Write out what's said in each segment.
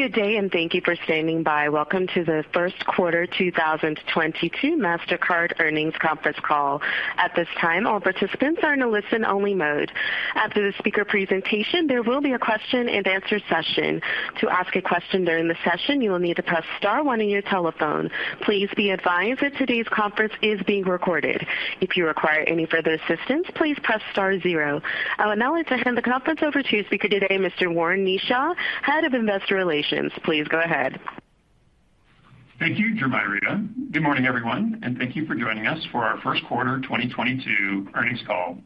Good day, and thank you for standing by. Welcome to the first quarter 2022 Mastercard Earnings conference call. At this time, all participants are in a listen-only mode. After the speaker presentation, there will be a question-and-answer session. To ask a question during the session, you will need to press star one on your telephone. Please be advised that today's conference is being recorded. If you require any further assistance, please press star zero. I would now like to hand the conference over to speaker today, Mr. Warren Kneeshaw, Head of Investor Relations. Please go ahead. Thank you, Jemiria. Good morning, everyone, and thank you for joining us for our first quarter 2022 earnings call.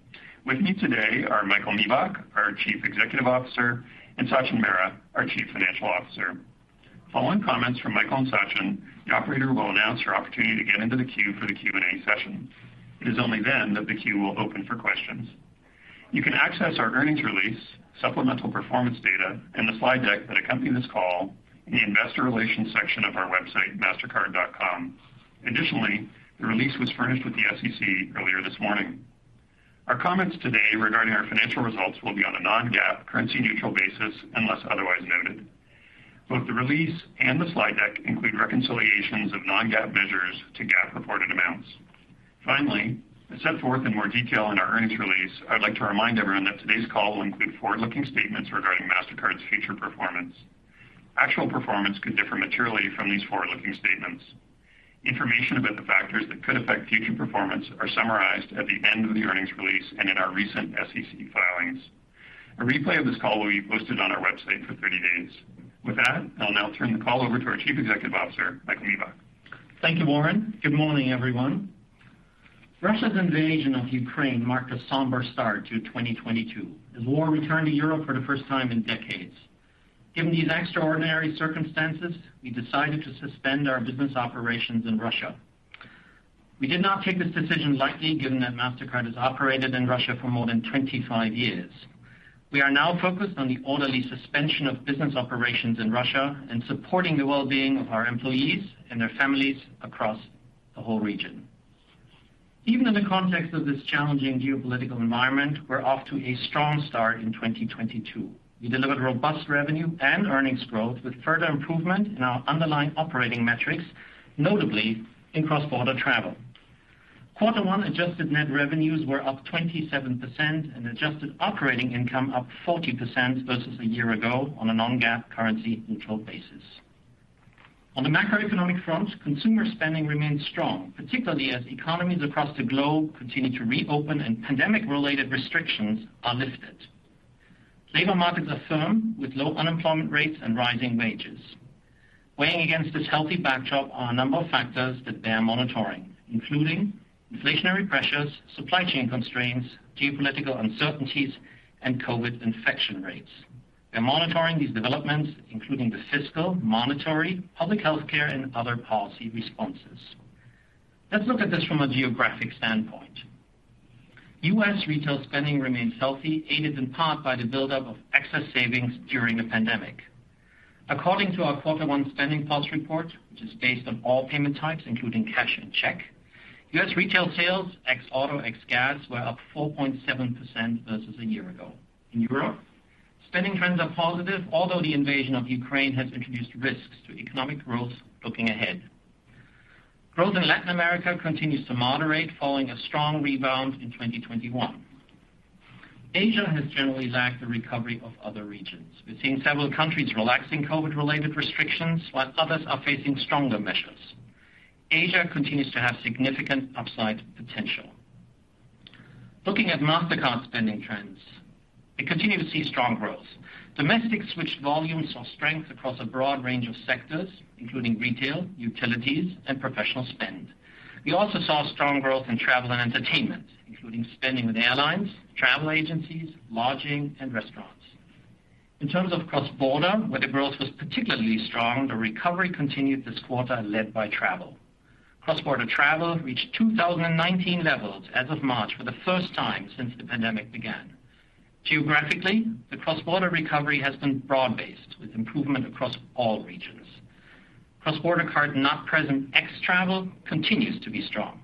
With me today are Michael Miebach, our Chief Executive Officer, and Sachin Mehra, our Chief Financial Officer. Following comments from Michael and Sachin, the operator will announce your opportunity to get into the queue for the Q&A session. It is only then that the queue will open for questions. You can access our earnings release, supplemental performance data, and the slide deck that accompany this call in the investor relations section of our website, mastercard.com. Additionally, the release was furnished with the SEC earlier this morning. Our comments today regarding our financial results will be on a non-GAAP currency neutral basis, unless otherwise noted. Both the release and the slide deck include reconciliations of non-GAAP measures to GAAP reported amounts. Finally, as set forth in more detail in our earnings release, I'd like to remind everyone that today's call will include forward-looking statements regarding Mastercard's future performance. Actual performance could differ materially from these forward-looking statements. Information about the factors that could affect future performance are summarized at the end of the earnings release and in our recent SEC filings. A replay of this call will be posted on our website for 30 days. With that, I'll now turn the call over to our Chief Executive Officer, Michael Miebach. Thank you, Warren. Good morning, everyone. Russia's invasion of Ukraine marked a somber start to 2022 as war returned to Europe for the first time in decades. Given these extraordinary circumstances, we decided to suspend our business operations in Russia. We did not take this decision lightly, given that Mastercard has operated in Russia for more than 25 years. We are now focused on the orderly suspension of business operations in Russia and supporting the well-being of our employees and their families across the whole region. Even in the context of this challenging geopolitical environment, we're off to a strong start in 2022. We delivered robust revenue and earnings growth with further improvement in our underlying operating metrics, notably in cross-border travel. Quarter one adjusted net revenues were up 27% and adjusted operating income up 40% versus a year ago on a non-GAAP currency neutral basis. On the macroeconomic front, consumer spending remains strong, particularly as economies across the globe continue to reopen and pandemic-related restrictions are lifted. Labor markets are firm with low unemployment rates and rising wages. Weighing against this healthy backdrop are a number of factors that they are monitoring, including inflationary pressures, supply chain constraints, geopolitical uncertainties, and COVID infection rates. We're monitoring these developments, including the fiscal, monetary, public healthcare, and other policy responses. Let's look at this from a geographic standpoint. U.S. retail spending remains healthy, aided in part by the buildup of excess savings during the pandemic. According to our quarter one SpendingPulse report, which is based on all payment types, including cash and check, U.S. retail sales, ex-auto, ex-gas, were up 4.7% versus a year ago. In Europe, spending trends are positive, although the invasion of Ukraine has introduced risks to economic growth looking ahead. Growth in Latin America continues to moderate following a strong rebound in 2021. Asia has generally lacked the recovery of other regions. We're seeing several countries relaxing COVID-related restrictions, while others are facing stronger measures. Asia continues to have significant upside potential. Looking at Mastercard spending trends, we continue to see strong growth. Domestic switched volumes saw strength across a broad range of sectors, including retail, utilities, and professional spend. We also saw strong growth in travel and entertainment, including spending with airlines, travel agencies, lodging, and restaurants. In terms of cross-border, where the growth was particularly strong, the recovery continued this quarter led by travel. Cross-border travel reached 2019 levels as of March for the first time since the pandemic began. Geographically, the cross-border recovery has been broad-based with improvement across all regions. Cross-border card not present ex-travel continues to be strong.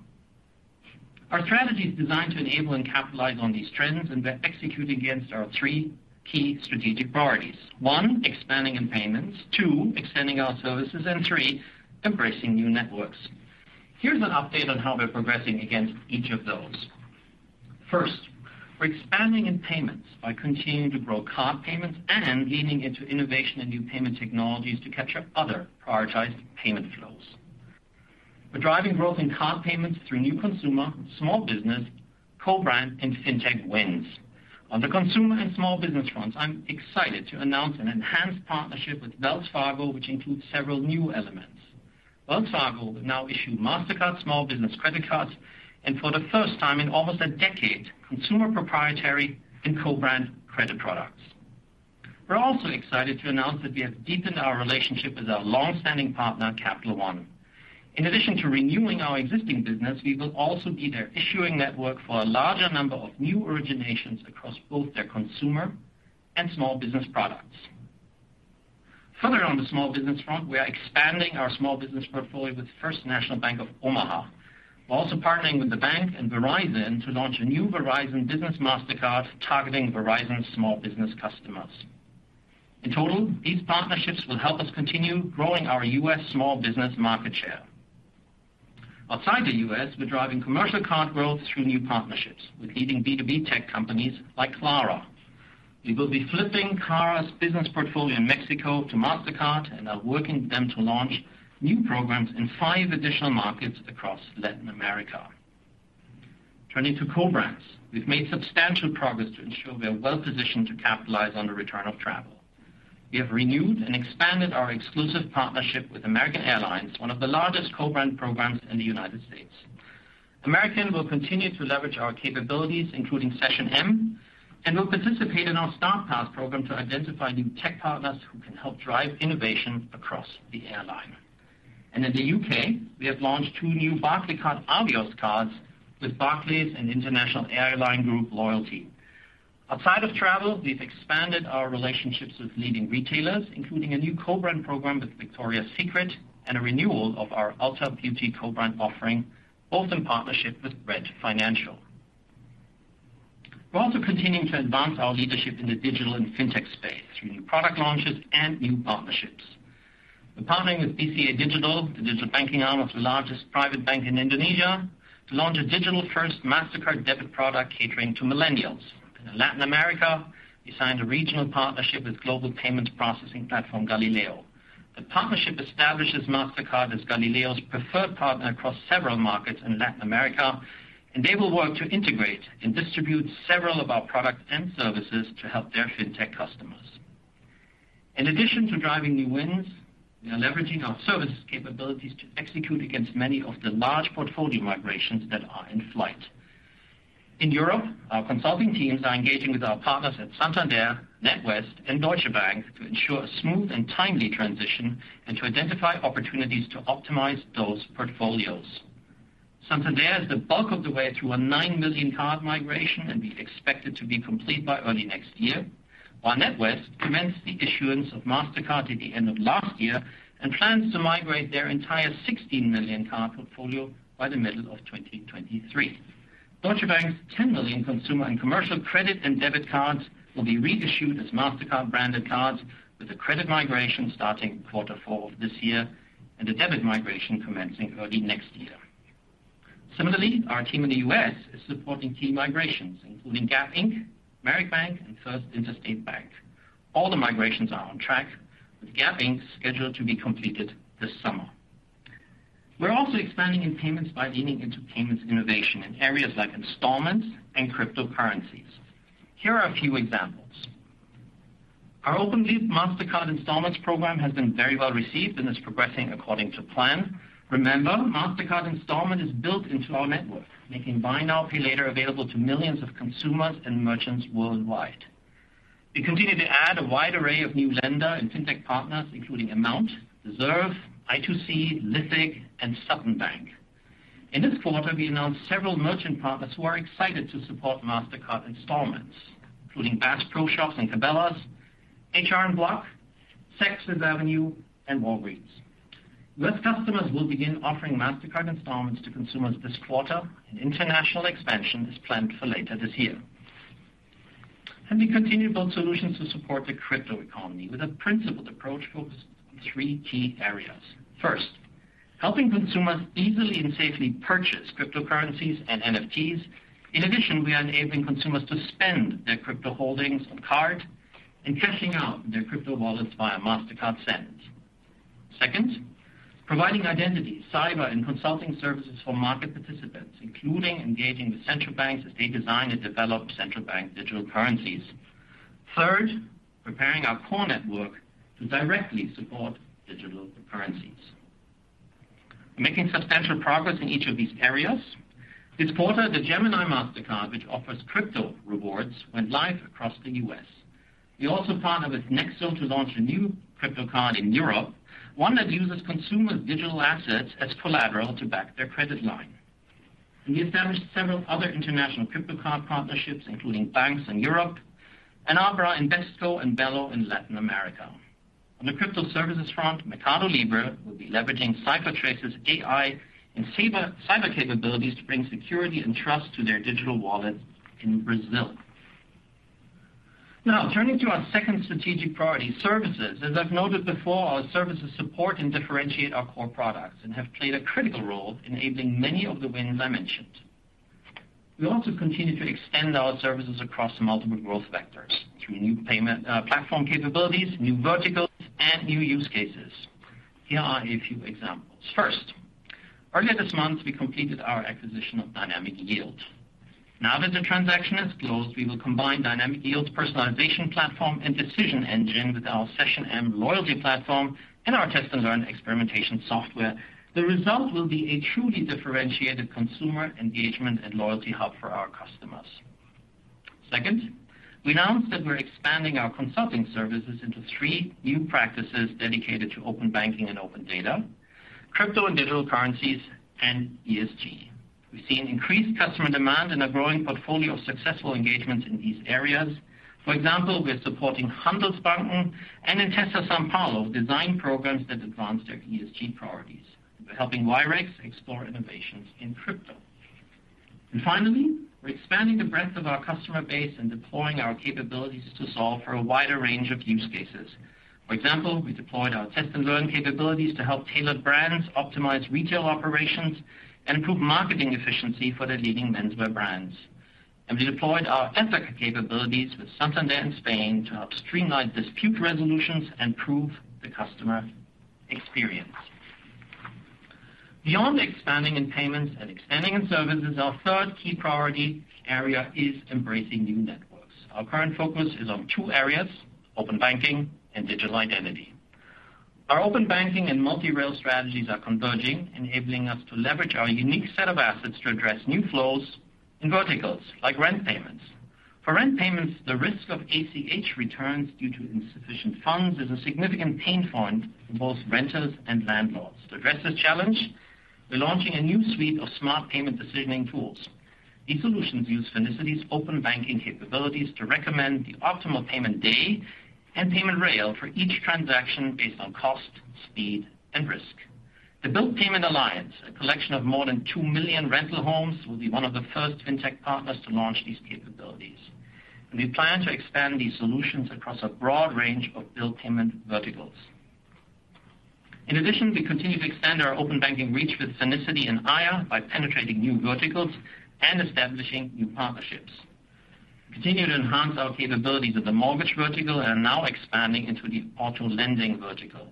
Our strategy is designed to enable and capitalize on these trends, and we're executing against our three key strategic priorities. One, expanding in payments. Two, extending our services. Three, embracing new networks. Here's an update on how we're progressing against each of those. First, we're expanding in payments by continuing to grow card payments and leaning into innovation and new payment technologies to capture other prioritized payment flows. We're driving growth in card payments through new consumer, small business, co-brand, and fintech wins. On the consumer and small business fronts, I'm excited to announce an enhanced partnership with Wells Fargo, which includes several new elements. Wells Fargo will now issue Mastercard small business credit cards, and for the first time in almost a decade, consumer proprietary and co-brand credit products. We're also excited to announce that we have deepened our relationship with our long-standing partner, Capital One. In addition to renewing our existing business, we will also be their issuing network for a larger number of new originations across both their consumer and small business products. Further on the small business front, we are expanding our small business portfolio with First National Bank of Omaha. We're also partnering with the bank and Verizon to launch a new Verizon business Mastercard targeting Verizon small business customers. In total, these partnerships will help us continue growing our U.S. small business market share. Outside the U.S., we're driving commercial card growth through new partnerships with leading B2B tech companies like Klarna. We will be flipping Klarna's business portfolio in Mexico to Mastercard and are working with them to launch new programs in five additional markets across Latin America. Turning to co-brands. We've made substantial progress to ensure we are well-positioned to capitalize on the return of travel. We have renewed and expanded our exclusive partnership with American Airlines, one of the largest co-brand programs in the United States. American will continue to leverage our capabilities, including SessionM, and will participate in our Start Path program to identify new tech partners who can help drive innovation across the airline. In the U.K., we have launched two new Barclaycard Avios cards with Barclays and International Airlines Group Loyalty. Outside of travel, we've expanded our relationships with leading retailers, including a new co-brand program with Victoria's Secret and a renewal of our Ulta Beauty co-brand offering, both in partnership with Bread Financial. We're also continuing to advance our leadership in the digital and fintech space through new product launches and new partnerships. We're partnering with BCA Digital, the digital banking arm of the largest private bank in Indonesia, to launch a digital-first Mastercard debit product catering to millennials. In Latin America, we signed a regional partnership with global payments processing platform Galileo Financial Technologies. The partnership establishes Mastercard as Galileo's preferred partner across several markets in Latin America, and they will work to integrate and distribute several of our products and services to help their fintech customers. In addition to driving new wins, we are leveraging our services capabilities to execute against many of the large portfolio migrations that are in flight. In Europe, our consulting teams are engaging with our partners at Santander, NatWest, and Deutsche Bank to ensure a smooth and timely transition and to identify opportunities to optimize those portfolios. Santander is the bulk of the way through a 9 million card migration and we expect it to be complete by early next year. While NatWest commenced the issuance of Mastercard at the end of last year and plans to migrate their entire 16 million card portfolio by the middle of 2023. Deutsche Bank's 10 million consumer and commercial credit and debit cards will be reissued as Mastercard branded cards with a credit migration starting quarter four of this year and a debit migration commencing early next year. Similarly, our team in the U.S. is supporting key migrations including Gap Inc, Merrick Bank, and First Interstate Bank. All the migrations are on track, with Gap Inc scheduled to be completed this summer. We're also expanding in payments by leaning into payments innovation in areas like installments and cryptocurrencies. Here are a few examples. Our open-loop Mastercard Installments program has been very well received and is progressing according to plan. Remember, Mastercard Installments is built into our network, making buy now, pay later available to millions of consumers and merchants worldwide. We continue to add a wide array of new lender and fintech partners, including Amount, Deserve, i2c, Lithic, and Sutton Bank. In this quarter, we announced several merchant partners who are excited to support Mastercard Installments, including Bass Pro Shops and Cabela's, H&R Block, Saks Fifth Avenue, and Walgreens. U.S. customers will begin offering Mastercard Installments to consumers this quarter and international expansion is planned for later this year. We continue to build solutions to support the crypto economy with a principled approach focused on three key areas. First, helping consumers easily and safely purchase cryptocurrencies and NFTs. In addition, we are enabling consumers to spend their crypto holdings on card and cashing out their crypto wallets via Mastercard Send. Second, providing identity, cyber, and consulting services for market participants, including engaging with central banks as they design and develop central bank digital currencies. Third, preparing our core network to directly support digital currencies. We're making substantial progress in each of these areas. This quarter, the Gemini Mastercard, which offers crypto rewards, went live across the U.S. We also partnered with Nexo to launch a new crypto card in Europe, one that uses consumers' digital assets as collateral to back their credit line. We established several other international crypto card partnerships, including banks in Europe and Abra, Invesco, and Belo in Latin America. On the crypto services front, Mercado Libre will be leveraging CipherTrace's AI and cyber capabilities to bring security and trust to their digital wallets in Brazil. Now, turning to our second strategic priority, services. As I've noted before, our services support and differentiate our core products and have played a critical role in enabling many of the wins I mentioned. We also continue to extend our services across multiple growth vectors through new payment platform capabilities, new verticals, and new use cases. Here are a few examples. First, earlier this month, we completed our acquisition of Dynamic Yield. Now that the transaction is closed, we will combine Dynamic Yield's personalization platform and decision engine with our SessionM loyalty platform and our Test & Learn experimentation software. The result will be a truly differentiated consumer engagement and loyalty hub for our customers. Second, we announced that we're expanding our consulting services into three new practices dedicated to open banking and open data, crypto and digital currencies, and ESG. We've seen increased customer demand and a growing portfolio of successful engagements in these areas. For example, we are supporting Handelsbanken and Intesa Sanpaolo design programs that advance their ESG priorities. We're helping Wirex explore innovations in crypto. Finally, we're expanding the breadth of our customer base and deploying our capabilities to solve for a wider range of use cases. For example, we deployed our Test & Learn capabilities to help Tailored Brands optimize retail operations and improve marketing efficiency for their leading menswear brands. We deployed our Ethoca capabilities with Santander in Spain to help streamline dispute resolutions and improve the customer experience. Beyond expanding in payments and expanding in services, our third key priority area is embracing new networks. Our current focus is on two areas, open banking and digital identity. Our open banking and multi-rail strategies are converging, enabling us to leverage our unique set of assets to address new flows in verticals like rent payments. For rent payments, the risk of ACH returns due to insufficient funds is a significant pain point for both renters and landlords. To address this challenge, we're launching a new suite of smart payment decisioning tools. These solutions use Finicity's open banking capabilities to recommend the optimal payment day and payment rail for each transaction based on cost, speed, and risk. The Bilt Rewards Alliance, a collection of more than 2 million rental homes, will be one of the first fintech partners to launch these capabilities. We plan to expand these solutions across a broad range of bill payment verticals. In addition, we continue to extend our open banking reach with Finicity and Aiia by penetrating new verticals and establishing new partnerships. We continue to enhance our capabilities of the mortgage vertical and are now expanding into the auto lending vertical.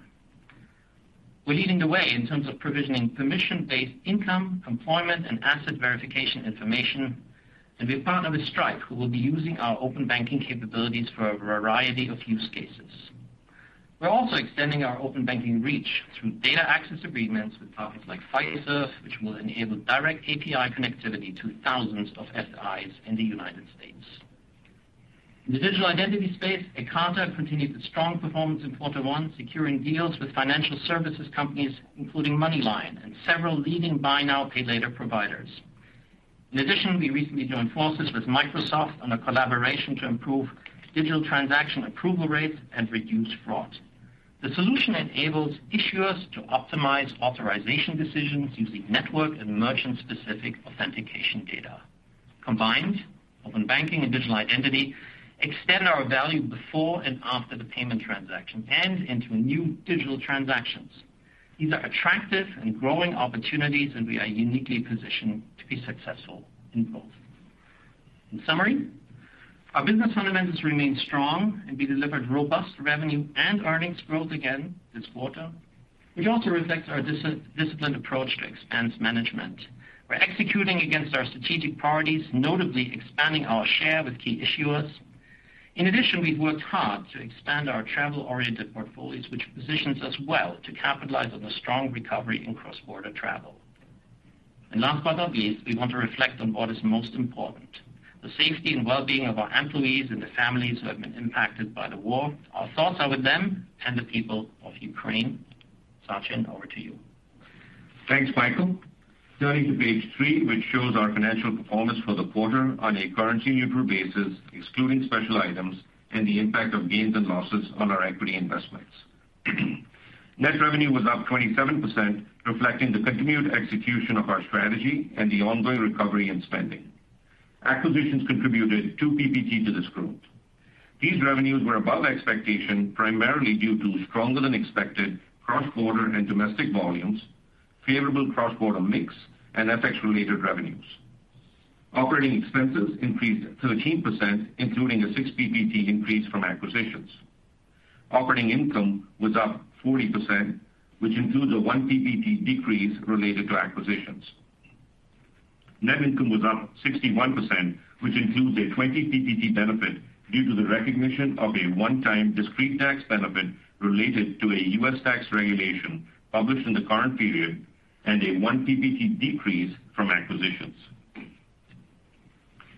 We're leading the way in terms of provisioning permission-based income, employment, and asset verification information, and we partner with Stripe, who will be using our open banking capabilities for a variety of use cases. We're also extending our open banking reach through data access agreements with partners like Fiserv, which will enable direct API connectivity to thousands of FIs in the United States. In the digital identity space, Ekata continued its strong performance in quarter one, securing deals with financial services companies, including MoneyLion and several leading buy now, pay later providers. In addition, we recently joined forces with Microsoft on a collaboration to improve digital transaction approval rates and reduce fraud. The solution enables issuers to optimize authorization decisions using network and merchant-specific authentication data. Combined, open banking and digital identity extend our value before and after the payment transaction and into new digital transactions. These are attractive and growing opportunities, and we are uniquely positioned to be successful in both. In summary, our business fundamentals remain strong, and we delivered robust revenue and earnings growth again this quarter, which also reflects our disciplined approach to expense management. We're executing against our strategic priorities, notably expanding our share with key issuers. In addition, we've worked hard to expand our travel-oriented portfolios, which positions us well to capitalize on the strong recovery in cross-border travel. Last but not least, we want to reflect on what is most important, the safety and well-being of our employees and the families who have been impacted by the war. Our thoughts are with them and the people of Ukraine. Sachin, over to you. Thanks, Michael. Turning to page three, which shows our financial performance for the quarter on a currency neutral basis, excluding special items and the impact of gains and losses on our equity investments. Net revenue was up 27%, reflecting the continued execution of our strategy and the ongoing recovery in spending. Acquisitions contributed 2 PPT to this growth. These revenues were above expectation, primarily due to stronger-than-expected cross-border and domestic volumes, favorable cross-border mix, and FX-related revenues. Operating expenses increased 13%, including a 6 PPT increase from acquisitions. Operating income was up 40%, which includes a 1 PPT decrease related to acquisitions. Net income was up 61%, which includes a 20 PPT benefit due to the recognition of a one-time discrete tax benefit related to a U.S. tax regulation published in the current period and a 1 PPT decrease from acquisitions.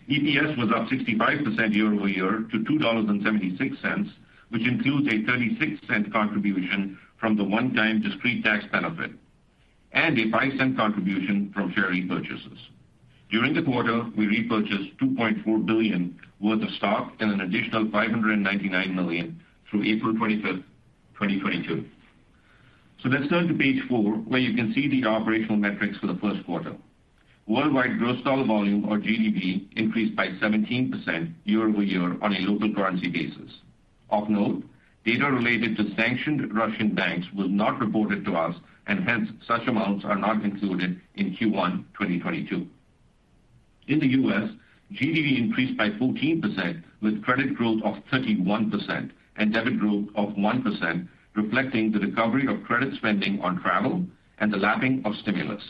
EPS was up 65% year-over-year to $2.76, which includes a $0.36 contribution from the one-time discrete tax benefit and a $0.05 contribution from share repurchases. During the quarter, we repurchased $2.4 billion worth of stock and an additional $599 million through April 25th, 2022. Let's turn to page four, where you can see the operational metrics for the first quarter. Worldwide gross dollar volume, or GDV, increased by 17% year-over-year on a local currency basis. Of note, data related to sanctioned Russian banks was not reported to us, and hence such amounts are not included in Q1 2022. In the U.S., GDV increased by 14%, with credit growth of 31% and debit growth of 1%, reflecting the recovery of credit spending on travel and the lapping of stimulus.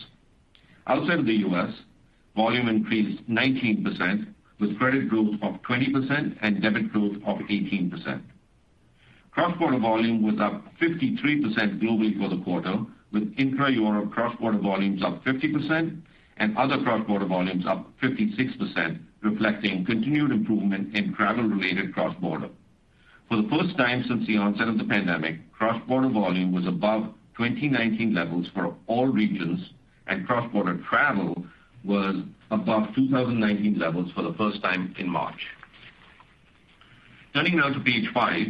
Outside of the U.S., volume increased 19%, with credit growth of 20% and debit growth of 18%. Cross-border volume was up 53% globally for the quarter, with intra-Euro cross-border volumes up 50% and other cross-border volumes up 56%, reflecting continued improvement in travel-related cross-border. For the first time since the onset of the pandemic, cross-border volume was above 2019 levels for all regions, and cross-border travel was above 2019 levels for the first time in March. Turning now to page five,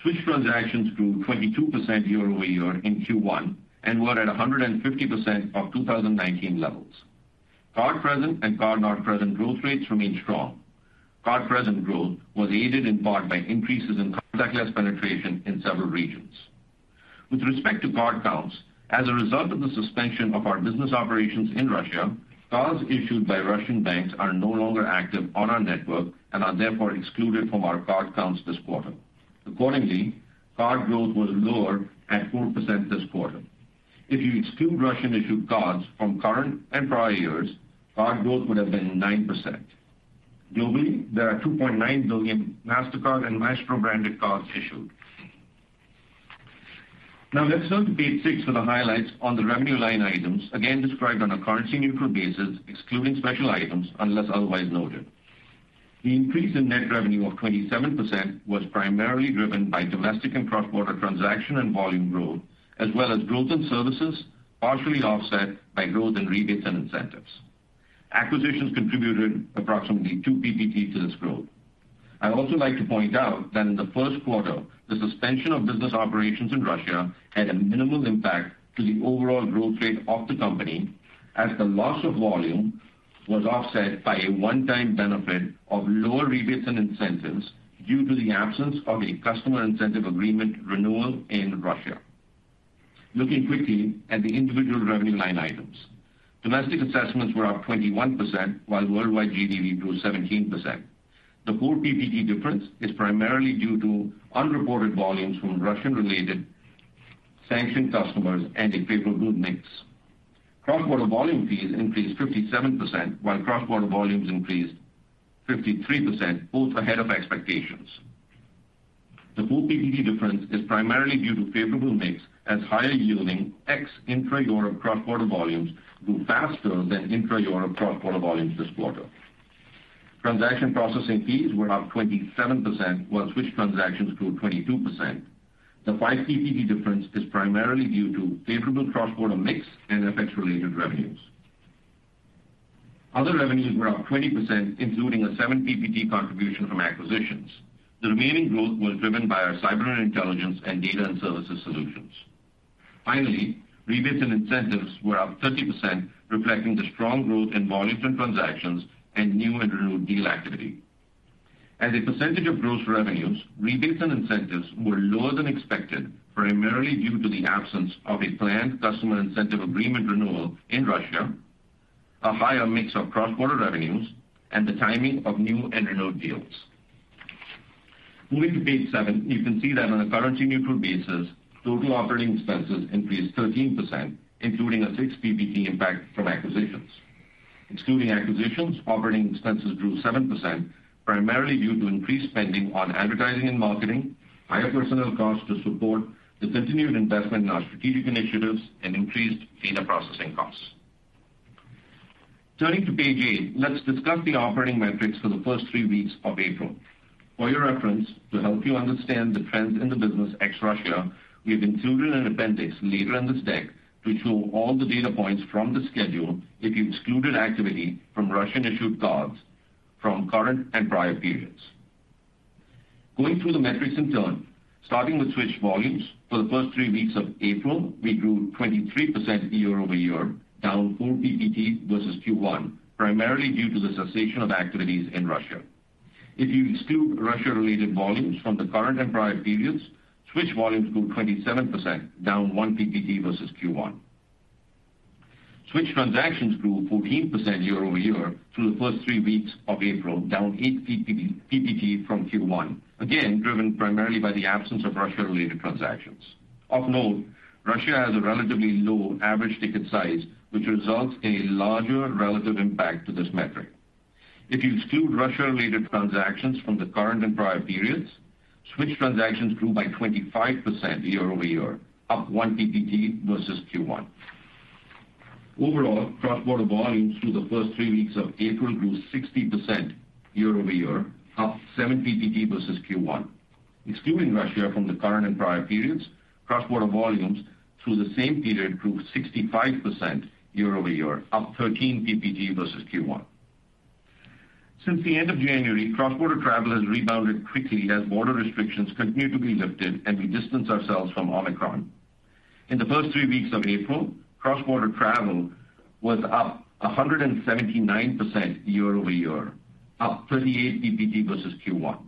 switch transactions grew 22% year-over-year in Q1 and were at 150% of 2019 levels. Card present and card not present growth rates remain strong. Card present growth was aided in part by increases in contactless penetration in several regions. With respect to card counts, as a result of the suspension of our business operations in Russia, cards issued by Russian banks are no longer active on our network and are therefore excluded from our card counts this quarter. Accordingly, card growth was lower at 4% this quarter. If you exclude Russian-issued cards from current and prior years, card growth would have been 9%. Globally, there are 2.9 billion Mastercard and Maestro-branded cards issued. Now let's turn to page six for the highlights on the revenue line items, again described on a currency-neutral basis, excluding special items, unless otherwise noted. The increase in net revenue of 27% was primarily driven by domestic and cross-border transaction and volume growth, as well as growth in services, partially offset by growth in rebates and incentives. Acquisitions contributed approximately 2 PPT to this growth. I'd also like to point out that in the first quarter, the suspension of business operations in Russia had a minimal impact to the overall growth rate of the company, as the loss of volume was offset by a one-time benefit of lower rebates and incentives due to the absence of a customer incentive agreement renewal in Russia. Looking quickly at the individual revenue line items. Domestic assessments were up 21%, while worldwide GDV grew 17%. The 4 PPT difference is primarily due to unreported volumes from Russian-related sanctioned customers and a favorable mix. Cross-border volume fees increased 57%, while cross-border volumes increased 53%, both ahead of expectations. The 4 PPT difference is primarily due to favorable mix as higher-yielding ex-intra Europe cross-border volumes grew faster than intra Europe cross-border volumes this quarter. Transaction processing fees were up 27%, while switch transactions grew 22%. The 5 PPT difference is primarily due to favorable cross-border mix and FX-related revenues. Other revenues were up 20%, including a 7 PPT contribution from acquisitions. The remaining growth was driven by our cyber intelligence and data and services solutions. Finally, rebates and incentives were up 30%, reflecting the strong growth in volume from transactions and new and renewed deal activity. As a percentage of gross revenues, rebates and incentives were lower than expected, primarily due to the absence of a planned customer incentive agreement renewal in Russia, a higher mix of cross-border revenues, and the timing of new and renewed deals. Moving to page seven, you can see that on a currency-neutral basis, total operating expenses increased 13%, including a 6 PPT impact from acquisitions. Excluding acquisitions, operating expenses grew 7%, primarily due to increased spending on advertising and marketing, higher personnel costs to support the continued investment in our strategic initiatives, and increased data processing costs. Turning to page eight, let's discuss the operating metrics for the first 3 weeks of April. For your reference, to help you understand the trends in the business ex-Russia, we have included an appendix later in this deck to show all the data points from the schedule if you excluded activity from Russian-issued cards from current and prior periods. Going through the metrics in turn, starting with switch volumes, for the first 3 weeks of April, we grew 23% year-over-year, down 4 PPT versus Q1, primarily due to the cessation of activities in Russia. If you exclude Russia-related volumes from the current and prior periods, switch volumes grew 27%, down 1 PPT versus Q1. Switch transactions grew 14% year-over-year through the first 3 weeks of April, down 8 PPT from Q1, again, driven primarily by the absence of Russia-related transactions. Of note, Russia has a relatively low average ticket size, which results in a larger relative impact to this metric. If you exclude Russia-related transactions from the current and prior periods, switch transactions grew by 25% year-over-year, up 1 PPT versus Q1. Overall, cross-border volumes through the first 3 weeks of April grew 60% year-over-year, up 7 PPT versus Q1. Excluding Russia from the current and prior periods, cross-border volumes through the same period grew 65% year-over-year, up 13 PPT versus Q1. Since the end of January, cross-border travel has rebounded quickly as border restrictions continue to be lifted and we distance ourselves from Omicron. In the first 3 weeks of April, cross-border travel was up 179% year-over-year, up 38 PPT versus Q1.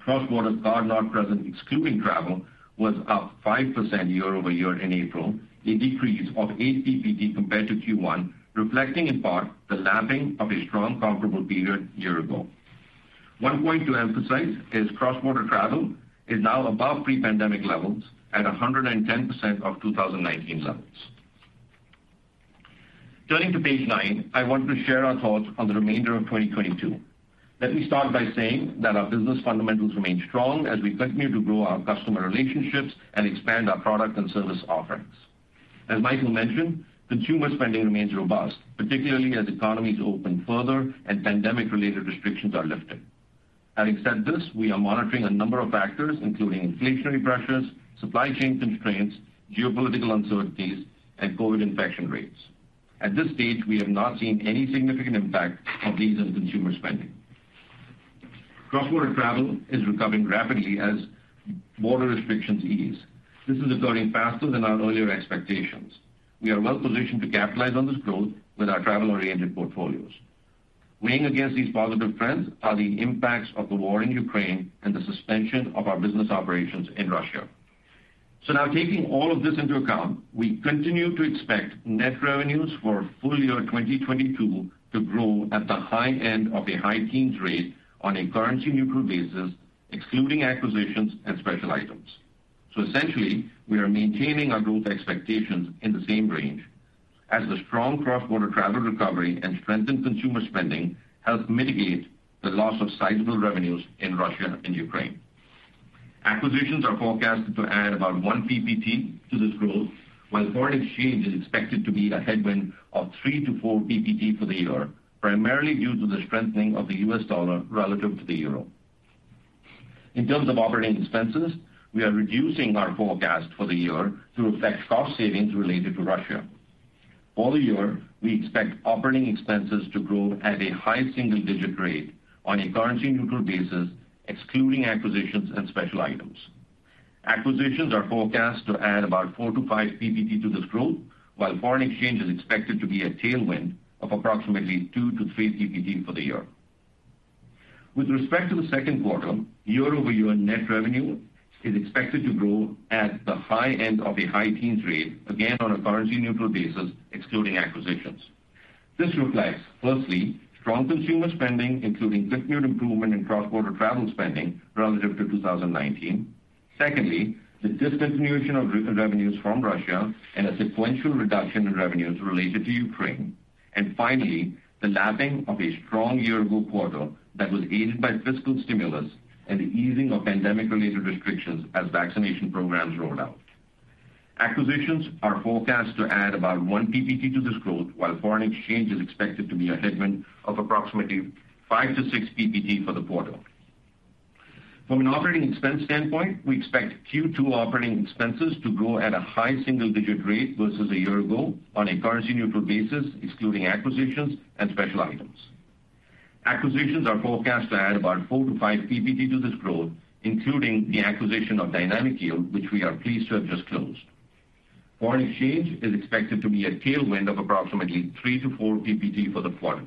Cross-border card not present, excluding travel, was up 5% year-over-year in April, a decrease of 8 PPT compared to Q1, reflecting in part the lapping of a strong comparable period year ago. One point to emphasize is cross-border travel is now above pre-pandemic levels at 110% of 2019 levels. Turning to page nine, I want to share our thoughts on the remainder of 2022. Let me start by saying that our business fundamentals remain strong as we continue to grow our customer relationships and expand our product and service offerings. As Michael mentioned, consumer spending remains robust, particularly as economies open further and pandemic-related restrictions are lifted. Having said this, we are monitoring a number of factors, including inflationary pressures, supply chain constraints, geopolitical uncertainties, and COVID infection rates. At this stage, we have not seen any significant impact of these on consumer spending. Cross-border travel is recovering rapidly as border restrictions ease. This is occurring faster than our earlier expectations. We are well positioned to capitalize on this growth with our travel-oriented portfolios. Weighing against these positive trends are the impacts of the war in Ukraine and the suspension of our business operations in Russia. Now taking all of this into account, we continue to expect net revenues for full year 2022 to grow at the high end of a high-teens rate on a currency-neutral basis, excluding acquisitions and special items. Essentially, we are maintaining our growth expectations in the same range as the strong cross-border travel recovery and strengthened consumer spending help mitigate the loss of sizable revenues in Russia and Ukraine. Acquisitions are forecasted to add about 1 PPT to this growth, while foreign exchange is expected to be a headwind of 3-4 PPT for the year, primarily due to the strengthening of the U.S. dollar relative to the euro. In terms of operating expenses, we are reducing our forecast for the year to reflect cost savings related to Russia. For the year, we expect operating expenses to grow at a high single-digit rate on a currency-neutral basis, excluding acquisitions and special items. Acquisitions are forecast to add about 4-5 PPT to this growth, while foreign exchange is expected to be a tailwind of approximately 2-3 PPT for the year. With respect to the second quarter, year-over-year net revenue is expected to grow at the high end of a high-teens rate, again on a currency-neutral basis, excluding acquisitions. This reflects, firstly, strong consumer spending, including continued improvement in cross-border travel spending relative to 2019. Secondly, the discontinuation of revenues from Russia and a sequential reduction in revenues related to Ukraine. Finally, the lapping of a strong year-ago quarter that was aided by fiscal stimulus and the easing of pandemic-related restrictions as vaccination programs rolled out. Acquisitions are forecast to add about 1 PPT to this growth, while foreign exchange is expected to be a headwind of approximately 5-6 PPT for the quarter. From an operating expense standpoint, we expect Q2 operating expenses to grow at a high single-digit rate versus a year ago on a currency-neutral basis, excluding acquisitions and special items. Acquisitions are forecast to add about 4-5 PPT to this growth, including the acquisition of Dynamic Yield, which we are pleased to have just closed. Foreign exchange is expected to be a tailwind of approximately 3-4 PPT for the quarter.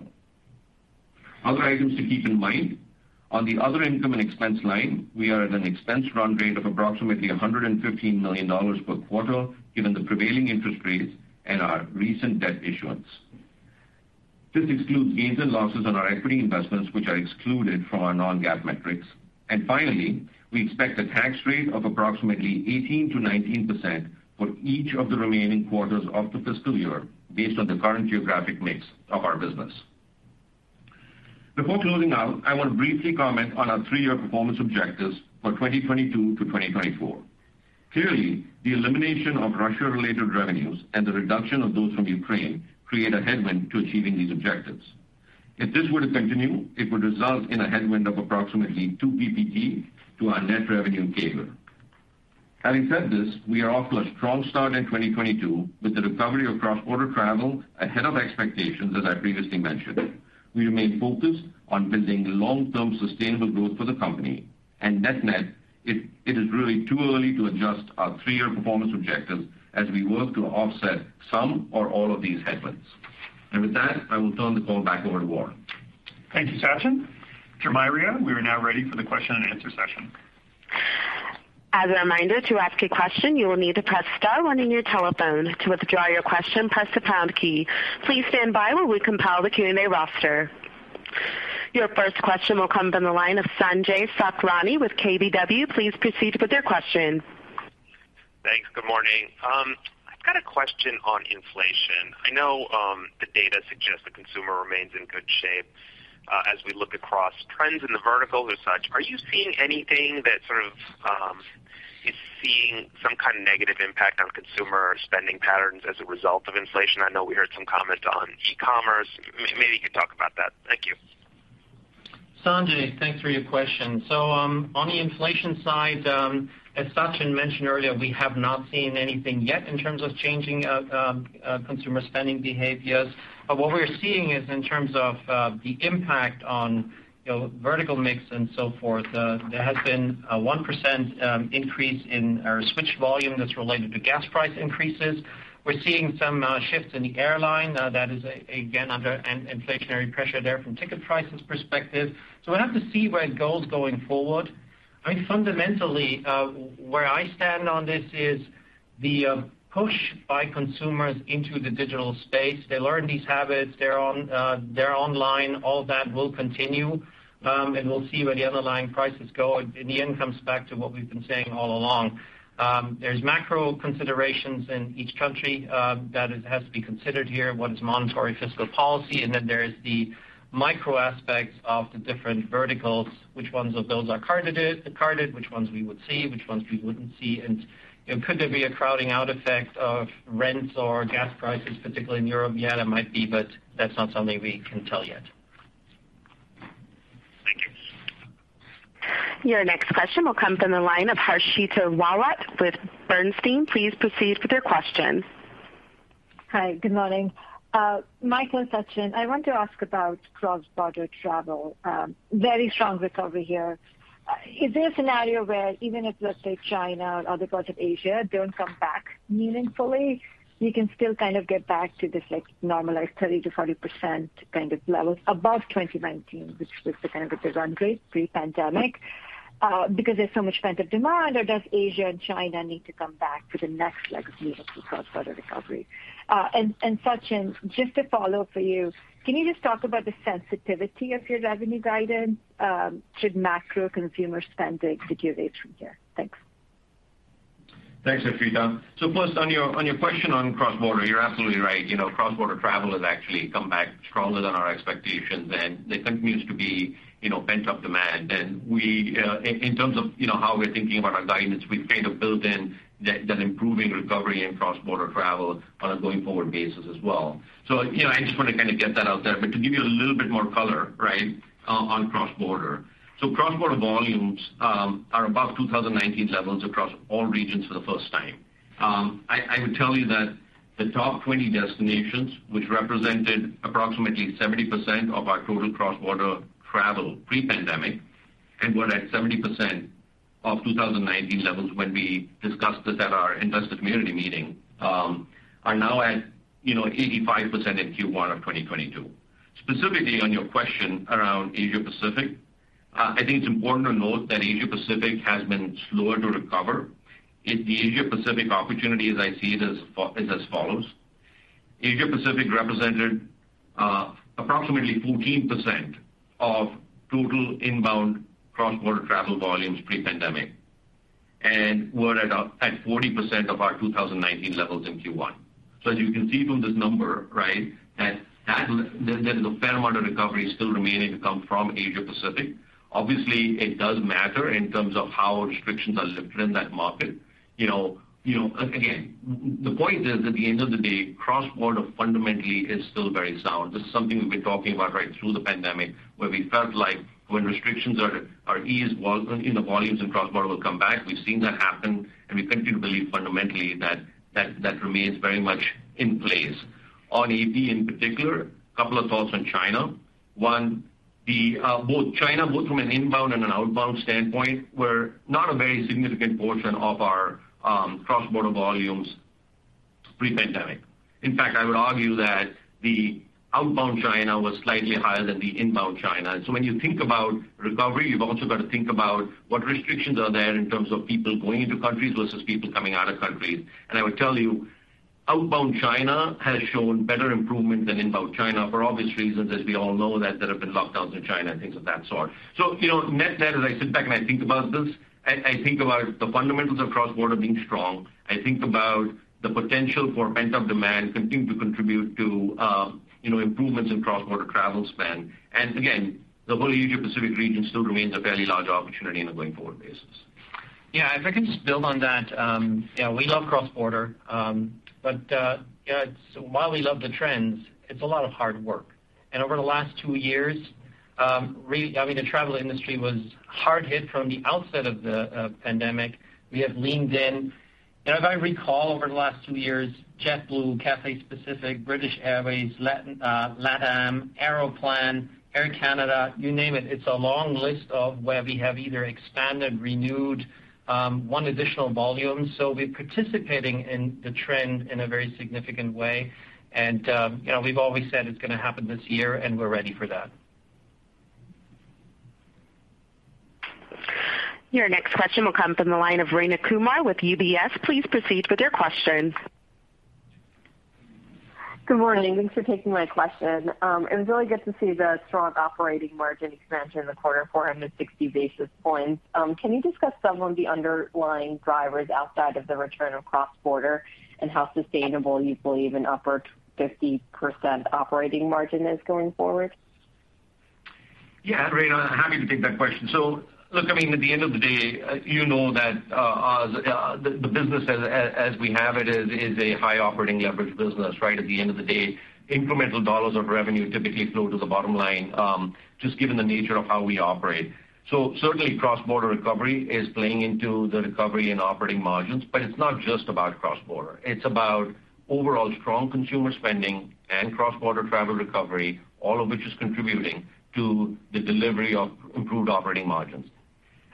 Other items to keep in mind, on the other income and expense line, we are at an expense run rate of approximately $115 million per quarter, given the prevailing interest rates and our recent debt issuance. This excludes gains and losses on our equity investments, which are excluded from our non-GAAP metrics. Finally, we expect a tax rate of approximately 18%-19% for each of the remaining quarters of the fiscal year based on the current geographic mix of our business. Before closing out, I want to briefly comment on our 3-year performance objectives for 2022-2024. Clearly, the elimination of Russia-related revenues and the reduction of those from Ukraine create a headwind to achieving these objectives. If this were to continue, it would result in a headwind of approximately 2 PPT to our net revenue CAGR. Having said this, we are off to a strong start in 2022 with the recovery of cross-border travel ahead of expectations, as I previously mentioned. We remain focused on building long-term sustainable growth for the company. Net-net, it is really too early to adjust our 3-year performance objectives as we work to offset some or all of these headwinds. With that, I will turn the call back over to Warren. Thank you, Sachin. Jemiria, we are now ready for the question and answer session. As a reminder, to ask a question, you will need to press star one on your telephone. To withdraw your question, press the pound key. Please stand by while we compile the Q&A roster. Your first question will come from the line of Sanjay Sakhrani with KBW. Please proceed with your question. Thanks. Good morning. I've got a question on inflation. I know, the data suggests the consumer remains in good shape, as we look across trends in the vertical as such. Are you seeing anything that sort of, is seeing some kind of negative impact on consumer spending patterns as a result of inflation? I know we heard some comments on e-commerce. Maybe you could talk about that. Thank you. Sanjay, thanks for your question. On the inflation side, as Sachin mentioned earlier, we have not seen anything yet in terms of changing consumer spending behaviors. What we're seeing is in terms of the impact on, you know, vertical mix and so forth, there has been a 1% increase in our switch volume that's related to gas price increases. We're seeing some shifts in the airline that is again under an inflationary pressure there from ticket prices perspective. We'll have to see where it goes going forward. I mean, fundamentally, where I stand on this is the push by consumers into the digital space. They learn these habits. They're online. All that will continue, and we'll see where the underlying prices go. In the end, it comes back to what we've been saying all along. There's macro considerations in each country that has to be considered here. What is monetary fiscal policy? Then there is the micro aspects of the different verticals, which ones of those are carded, which ones we would see, which ones we wouldn't see. Could there be a crowding out effect of rents or gas prices, particularly in Europe? Yeah, there might be, but that's not something we can tell yet. Your next question will come from the line of Harshita Rawat with Bernstein. Please proceed with your question. Hi, good morning. Michael and Sachin, I want to ask about cross-border travel. Very strong recovery here. Is there a scenario where even if, let's say, China or other parts of Asia don't come back meaningfully, you can still kind of get back to this, like, normalized 30%-40% kind of level above 2019, which was kind of the run rate pre-pandemic, because there's so much pent-up demand, or does Asia and China need to come back for the next leg of meaningful cross-border recovery? Sachin, just to follow up for you, can you just talk about the sensitivity of your revenue guidance, should macro consumer spending deteriorate from here? Thanks. Thanks, Harshita. First, on your question on cross-border, you're absolutely right. You know, cross-border travel has actually come back stronger than our expectations, and there continues to be, you know, pent-up demand. We, in terms of, you know, how we're thinking about our guidance, we've kind of built in that improving recovery in cross-border travel on a going forward basis as well. You know, I just want to kind of get that out there. To give you a little bit more color, right, on cross-border. Cross-border volumes are above 2019 levels across all regions for the first time. I would tell you that the top 20 destinations, which represented approximately 70% of our total cross-border travel pre-pandemic and were at 70% of 2019 levels when we discussed this at our Investor Community Meeting, are now at, you know, 85% in Q1 of 2022. Specifically, on your question around Asia Pacific, I think it's important to note that Asia Pacific has been slower to recover. The Asia Pacific opportunity as I see it is as follows: Asia Pacific represented approximately 15% of total inbound cross-border travel volumes pre-pandemic and were at 40% of our 2019 levels in Q1. As you can see from this number, right, that there is a fair amount of recovery still remaining to come from Asia Pacific. Obviously, it does matter in terms of how restrictions are lifted in that market. Again, the point is, at the end of the day, cross-border fundamentally is still very sound. This is something we've been talking about right through the pandemic, where we felt like when restrictions are eased, volumes in cross-border will come back. We've seen that happen, and we continue to believe fundamentally that remains very much in place. On AP in particular, a couple of thoughts on China. One, both China, both from an inbound and an outbound standpoint, were not a very significant portion of our cross-border volumes pre-pandemic. In fact, I would argue that the outbound China was slightly higher than the inbound China. When you think about recovery, you've also got to think about what restrictions are there in terms of people going into countries versus people coming out of countries. I would tell you, outbound China has shown better improvement than inbound China for obvious reasons, as we all know that there have been lockdowns in China and things of that sort. You know, net-net, as I sit back and I think about this, I think about the fundamentals of cross-border being strong. I think about the potential for pent-up demand continuing to contribute to, you know, improvements in cross-border travel spend. The whole Asia Pacific region still remains a fairly large opportunity on a going forward basis. Yeah, if I can just build on that. We love cross-border. While we love the trends, it's a lot of hard work. Over the last 2 years, the travel industry was hard hit from the outset of the pandemic. We have leaned in. If I recall, over the last 2 years, JetBlue, Cathay Pacific, British Airways, LATAM, Aeroplan, Air Canada, you name it. It's a long list of where we have either expanded, renewed, won additional volume. We're participating in the trend in a very significant way. You know, we've always said it's gonna happen this year, and we're ready for that. Your next question will come from the line of Rayna Kumar with UBS. Please proceed with your questions. Good morning. Thanks for taking my question. It was really good to see the strong operating margin expansion in the quarter, 460 basis points. Can you discuss some of the underlying drivers outside of the return of cross-border and how sustainable you believe an upper 50% operating margin is going forward? Yeah, Rayna, happy to take that question. Look, I mean, at the end of the day, you know that, the business as we have it is a high operating leverage business, right? At the end of the day, incremental dollars of revenue typically flow to the bottom line, just given the nature of how we operate. Certainly cross-border recovery is playing into the recovery in operating margins, but it's not just about cross-border. It's about overall strong consumer spending and cross-border travel recovery, all of which is contributing to the delivery of improved operating margins.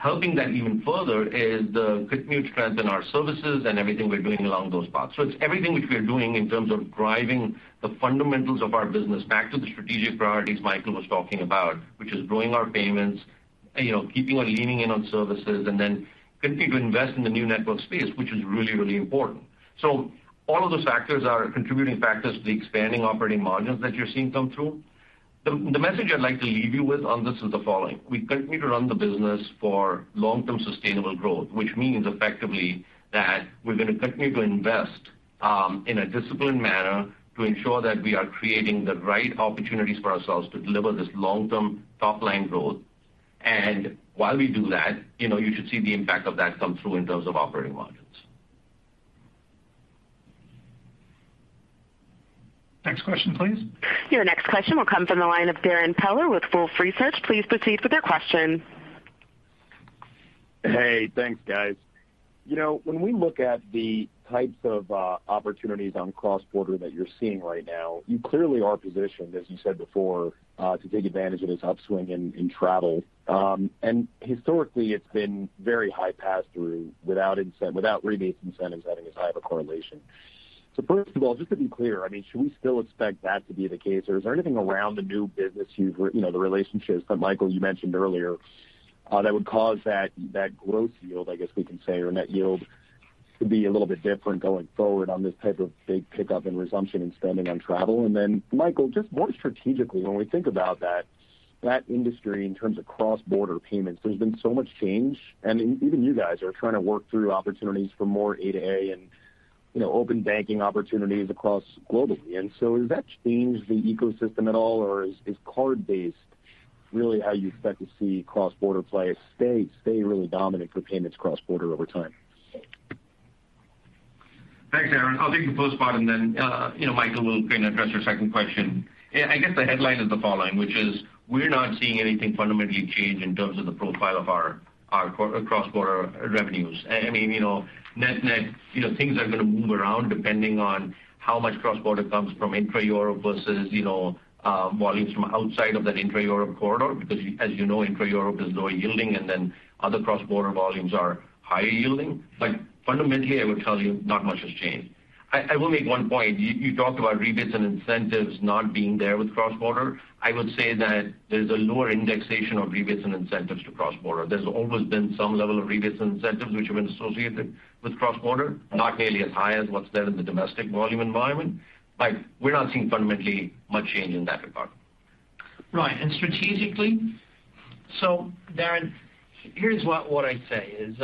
Helping that even further is the continued strength in our services and everything we're doing along those paths. It's everything which we are doing in terms of driving the fundamentals of our business back to the strategic priorities Michael was talking about, which is growing our payments, you know, keeping on leaning in on services and then continuing to invest in the new network space, which is really, really important. All of those factors are contributing factors to the expanding operating margins that you're seeing come through. The message I'd like to leave you with on this is the following. We continue to run the business for long-term sustainable growth, which means effectively that we're gonna continue to invest in a disciplined manner to ensure that we are creating the right opportunities for ourselves to deliver this long-term top-line growth. While we do that, you know, you should see the impact of that come through in terms of operating margins. Next question please. Your next question will come from the line of Darrin Peller with Wolfe Research. Please proceed with your question. Hey, thanks guys. You know, when we look at the types of opportunities on cross-border that you're seeing right now, you clearly are positioned, as you said before, to take advantage of this upswing in travel. Historically it's been very high pass through without rebates, incentives having as high of a correlation. First of all, just to be clear, I mean, should we still expect that to be the case or is there anything around the new business you know, the relationships that Michael, you mentioned earlier, that would cause that growth yield, I guess we can say, or net yield to be a little bit different going forward on this type of big pickup in resumption in spending on travel? Michael, just more strategically, when we think about that industry in terms of cross-border payments, there's been so much change and even you guys are trying to work through opportunities for more A2A and, you know, open banking opportunities across globally. Has that changed the ecosystem at all or is card-based really how you expect to see cross-border plays stay really dominant for payments cross-border over time? Thanks, Darrin. I'll take the first part and then you know, Michael will then address your second question. Yeah, I guess the headline is the following, which is we're not seeing anything fundamentally change in terms of the profile of our cross-border revenues. I mean, you know, net-net, you know, things are gonna move around depending on how much cross-border comes from intra Europe versus you know, volumes from outside of that intra Europe corridor. Because as you know, intra Europe is lower yielding and then other cross-border volumes are higher yielding. But fundamentally, I would tell you not much has changed. I will make one point. You talked about rebates and incentives not being there with cross-border. I would say that there's a lower indexation of rebates and incentives to cross-border. There's always been some level of rebates incentives which have been associated with cross-border, not nearly as high as what's there in the domestic volume environment. We're not seeing fundamentally much change in that regard. Right. Strategically, Darrin, here's what I'd say is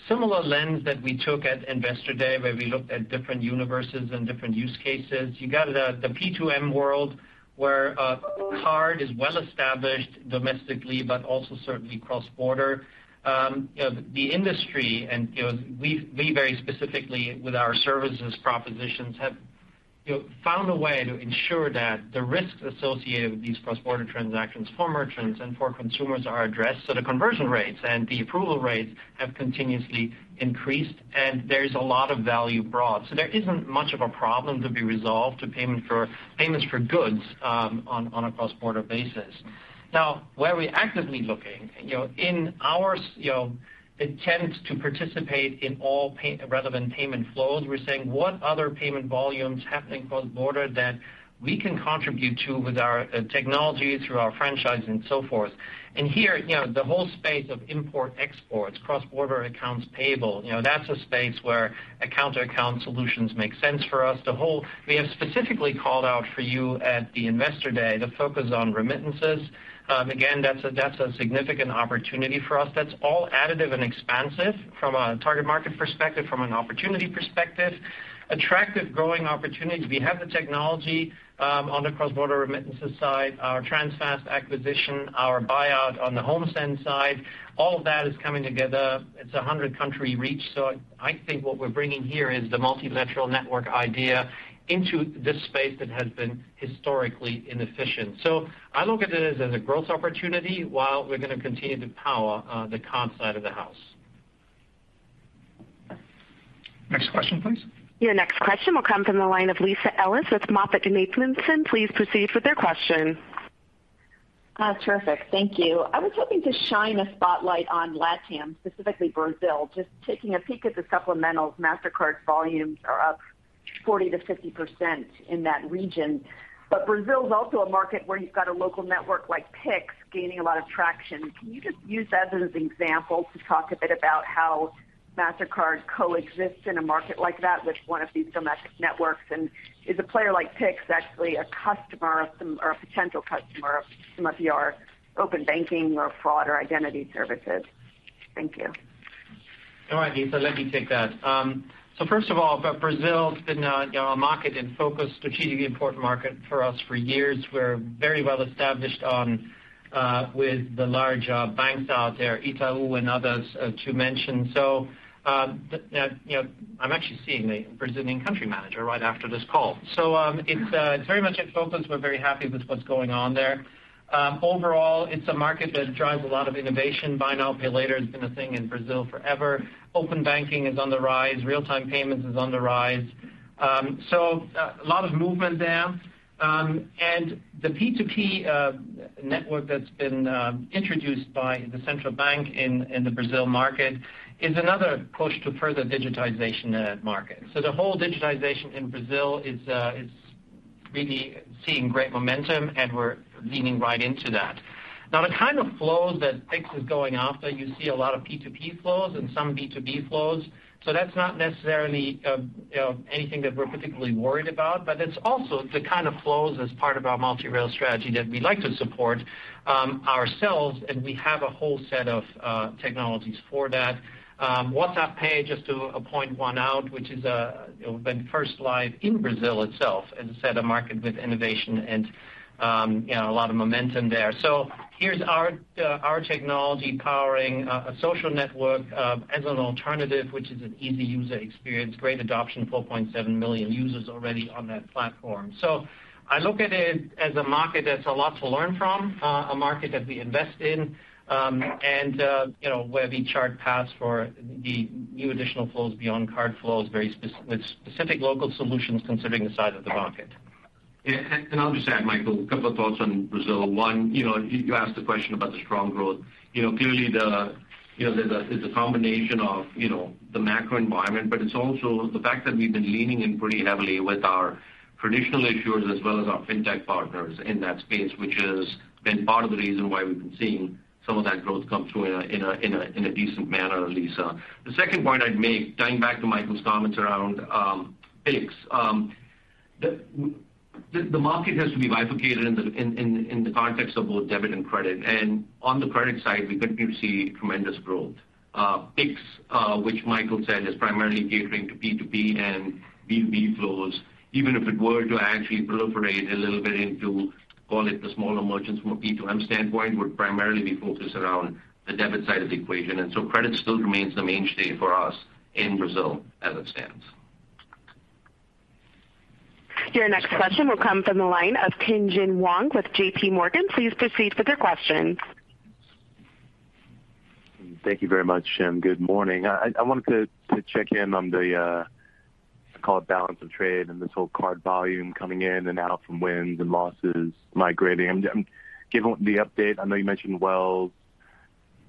a similar lens that we took at Investor Day where we looked at different universes and different use cases. You got the P2M world where a card is well established domestically but also certainly cross-border. You know, the industry and you know, we very specifically with our services propositions have you know, found a way to ensure that the risks associated with these cross-border transactions for merchants and for consumers are addressed. The conversion rates and the approval rates have continuously increased and there's a lot of value brought. There isn't much of a problem to be resolved to payments for goods on a cross-border basis. Now, where we're actively looking, you know, intent to participate in all relevant payment flows, we're saying what other payment volumes happening cross-border that we can contribute to with our technology through our franchise and so forth. Here, you know, the whole space of import exports, cross-border accounts payable, you know, that's a space where account-to-account solutions make sense for us. We have specifically called out for you at the Investor Day, the focus on remittances. Again, that's a significant opportunity for us. That's all additive and expansive from a target market perspective, from an opportunity perspective. Attractive growing opportunities. We have the technology on the cross-border remittances side, our Transfast acquisition, our buyout on the HomeSend side, all of that is coming together. It's a 100-country reach. I think what we're bringing here is the multilateral network idea into this space that has been historically inefficient. I look at it as a growth opportunity while we're gonna continue to power the card side of the house. Next question, please. Your next question will come from the line of Lisa Ellis with MoffettNathanson. Please proceed with your question. Terrific. Thank you. I was hoping to shine a spotlight on LATAM, specifically Brazil. Just taking a peek at the supplementals, Mastercard's volumes are up 40%-50% in that region. Brazil is also a market where you've got a local network like Pix gaining a lot of traction. Can you just use that as an example to talk a bit about how Mastercard coexists in a market like that with one of these domestic networks? Is a player like Pix actually a customer of some or a potential customer of some of your open banking or fraud or identity services? Thank you. All right, Lisa. Let me take that. First of all, Brazil's been a market in focus, strategically important market for us for years. We're very well established with the large banks out there, Itaú and others to mention. I'm actually seeing the Brazilian country manager right after this call. It's very much in focus. We're very happy with what's going on there. Overall it's a market that drives a lot of innovation. Buy now, pay later has been a thing in Brazil forever. Open banking is on the rise. Real-time payments is on the rise. A lot of movement there. The P2P network that's been introduced by the central bank in the Brazil market is another push to further digitization market. The whole digitization in Brazil is really seeing great momentum, and we're leaning right into that. Now, the kind of flows that Pix is going after, you see a lot of P2P flows and some B2B flows. That's not necessarily anything that we're particularly worried about, but it's also the kind of flows as part of our multi-rail strategy that we like to support ourselves. We have a whole set of technologies for that. WhatsApp Pay, just to point one out, which went first live in Brazil itself as the first market with innovation and a lot of momentum there. Here's our technology powering a social network as an alternative, which is an easy user experience, great adoption, 4.7 million users already on that platform. I look at it as a market that's a lot to learn from, a market that we invest in, and you know, where we chart paths for the new additional flows beyond card flows with specific local solutions considering the size of the market. Yeah. I'll just add, Michael, a couple of thoughts on Brazil. One, you know, you asked the question about the strong growth. You know, clearly it's a combination of, you know, the macro environment, but it's also the fact that we've been leaning in pretty heavily with our traditional issuers as well as our fintech partners in that space, which has been part of the reason why we've been seeing some of that growth come through in a decent manner, at least. The second point I'd make, tying back to Michael's comments around Pix. The market has to be bifurcated in the context of both debit and credit. On the credit side, we continue to see tremendous growth. Pix, which Michael said is primarily catering to P2P and B2B flows, even if it were to actually proliferate a little bit into, call it the smaller merchants from a P2M standpoint, would primarily be focused around the debit side of the equation. Credit still remains the mainstay for us in Brazil as it stands. Your next question will come from the line of Tien-Tsin Huang with JPMorgan. Please proceed with your question. Thank you very much, and good morning. I wanted to check in on the balance of trade and this whole card volume coming in and out from wins and losses migrating. Given the update, I know you mentioned Wells Fargo,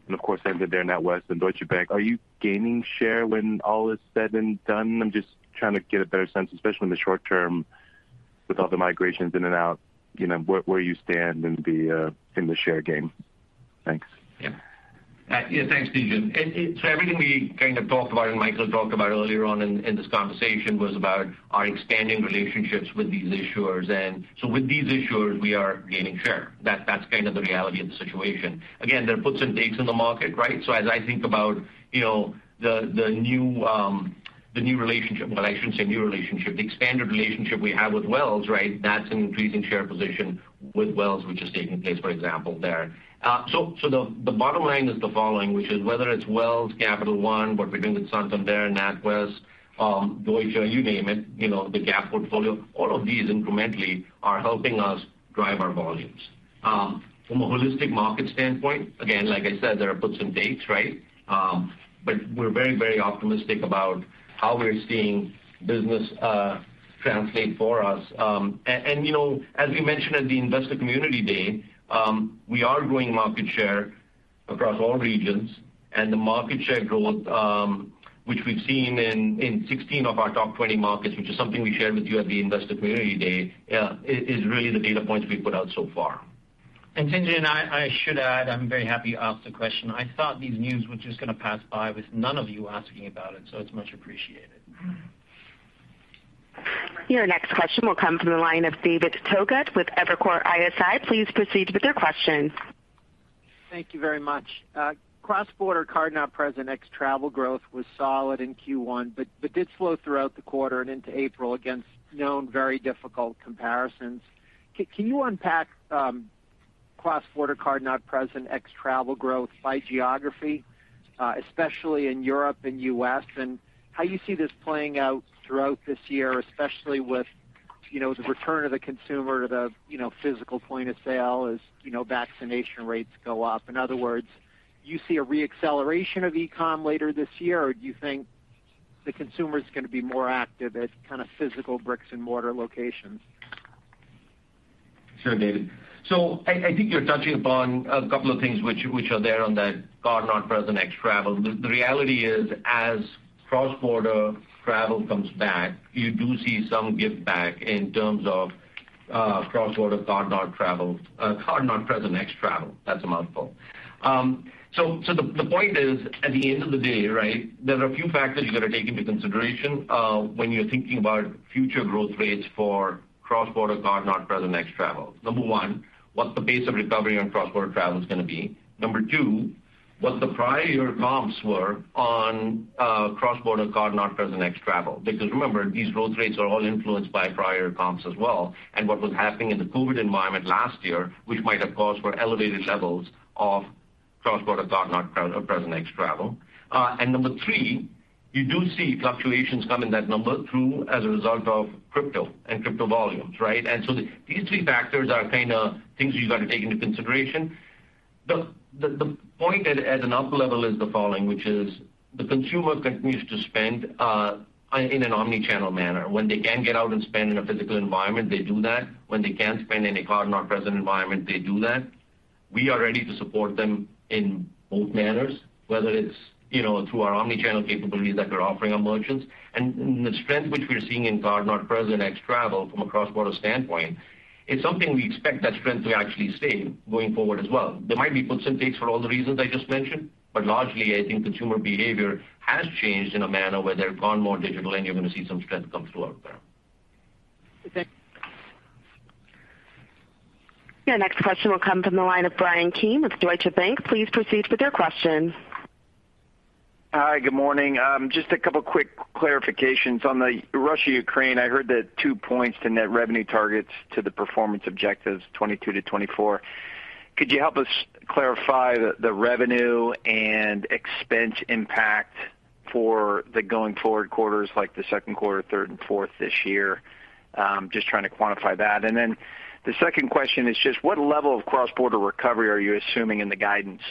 and of course, and then NatWest and Deutsche Bank. Are you gaining share when all is said and done? I'm just trying to get a better sense, especially in the short term with all the migrations in and out, you know, where you stand in the share game. Thanks. Yeah. Yeah, thanks, Tien-Tsin. Everything we kind of talked about and Michael talked about earlier on in this conversation was about our expanding relationships with these issuers. With these issuers, we are gaining share. That's the reality of the situation. Again, there are puts and takes in the market, right? As I think about, you know, the new relationship, well, I shouldn't say new relationship, the expanded relationship we have with Wells, right? That's an increasing share position with Wells, which is taking place, for example, there. The bottom line is the following, which is whether it's Wells, Capital One, what we're doing with Santander, NatWest, Deutsche, you name it, you know, the Gap portfolio, all of these incrementally are helping us drive our volumes. From a holistic market standpoint, again, like I said, there are puts and takes, right? We're very, very optimistic about how we're seeing business translate for us. You know, as we mentioned at the Investor Community Day, we are growing market share across all regions. The market share growth, which we've seen in 16 of our top 20 markets, which is something we shared with you at the Investor Community Day, is really the data points we put out so far. Tien-Tsin, I should add, I'm very happy you asked the question. I thought these news were just gonna pass by with none of you asking about it, so it's much appreciated. Your next question will come from the line of David Togut with Evercore ISI. Please proceed with your question. Thank you very much. Cross-border card-not-present ex-travel growth was solid in Q1, but did slow throughout the quarter and into April against known very difficult comparisons. Can you unpack cross-border card-not-present ex-travel growth by geography, especially in Europe and U.S., and how you see this playing out throughout this year, especially with, you know, the return of the consumer to the, you know, physical point of sale as, you know, vaccination rates go up. In other words, you see a re-acceleration of e-com later this year, or do you think the consumer's gonna be more active at kind of physical bricks and mortar locations? Sure, David. I think you're touching upon a couple of things which are there on that card-not-present ex-travel. The reality is as cross-border travel comes back, you do see some give back in terms of cross-border card-not travel, card-not-present ex-travel. That's a mouthful. The point is, at the end of the day, right, there are a few factors you gotta take into consideration when you're thinking about future growth rates for cross-border card-not-present ex-travel. Number one, what the pace of recovery on cross-border travel is gonna be. Number two, what the prior comps were on cross-border card-not-present ex-travel. Because remember, these growth rates are all influenced by prior comps as well and what was happening in the COVID environment last year, which might have caused for elevated levels of cross-border card-not-present or card-present excluding travel. Number three, you do see fluctuations come in that number through as a result of crypto and crypto volumes, right? These three factors are kinda things you've got to take into consideration. The point at an upper level is the following, which is the consumer continues to spend in an omni-channel manner. When they can get out and spend in a physical environment, they do that. When they can't spend in a card-not-present environment, they do that. We are ready to support them in both manners, whether it's, you know, through our omni-channel capabilities that we're offering our merchants. The strength which we're seeing in card-not-present ex-travel from a cross-border standpoint, it's something we expect that strength to actually stay going forward as well. There might be puts and takes for all the reasons I just mentioned, but largely, I think consumer behavior has changed in a manner where they've gone more digital, and you're gonna see some strength come through out there. Okay. Your next question will come from the line of Bryan Keane with Deutsche Bank. Please proceed with your question. Hi, good morning. Just a couple quick clarifications. On the Russia-Ukraine, I heard that 2 points to net revenue targets to the performance objectives 2022-2024. Could you help us clarify the revenue and expense impact for the going forward quarters like the second quarter, third, and fourth this year? Just trying to quantify that. Then the second question is just what level of cross-border recovery are you assuming in the guidance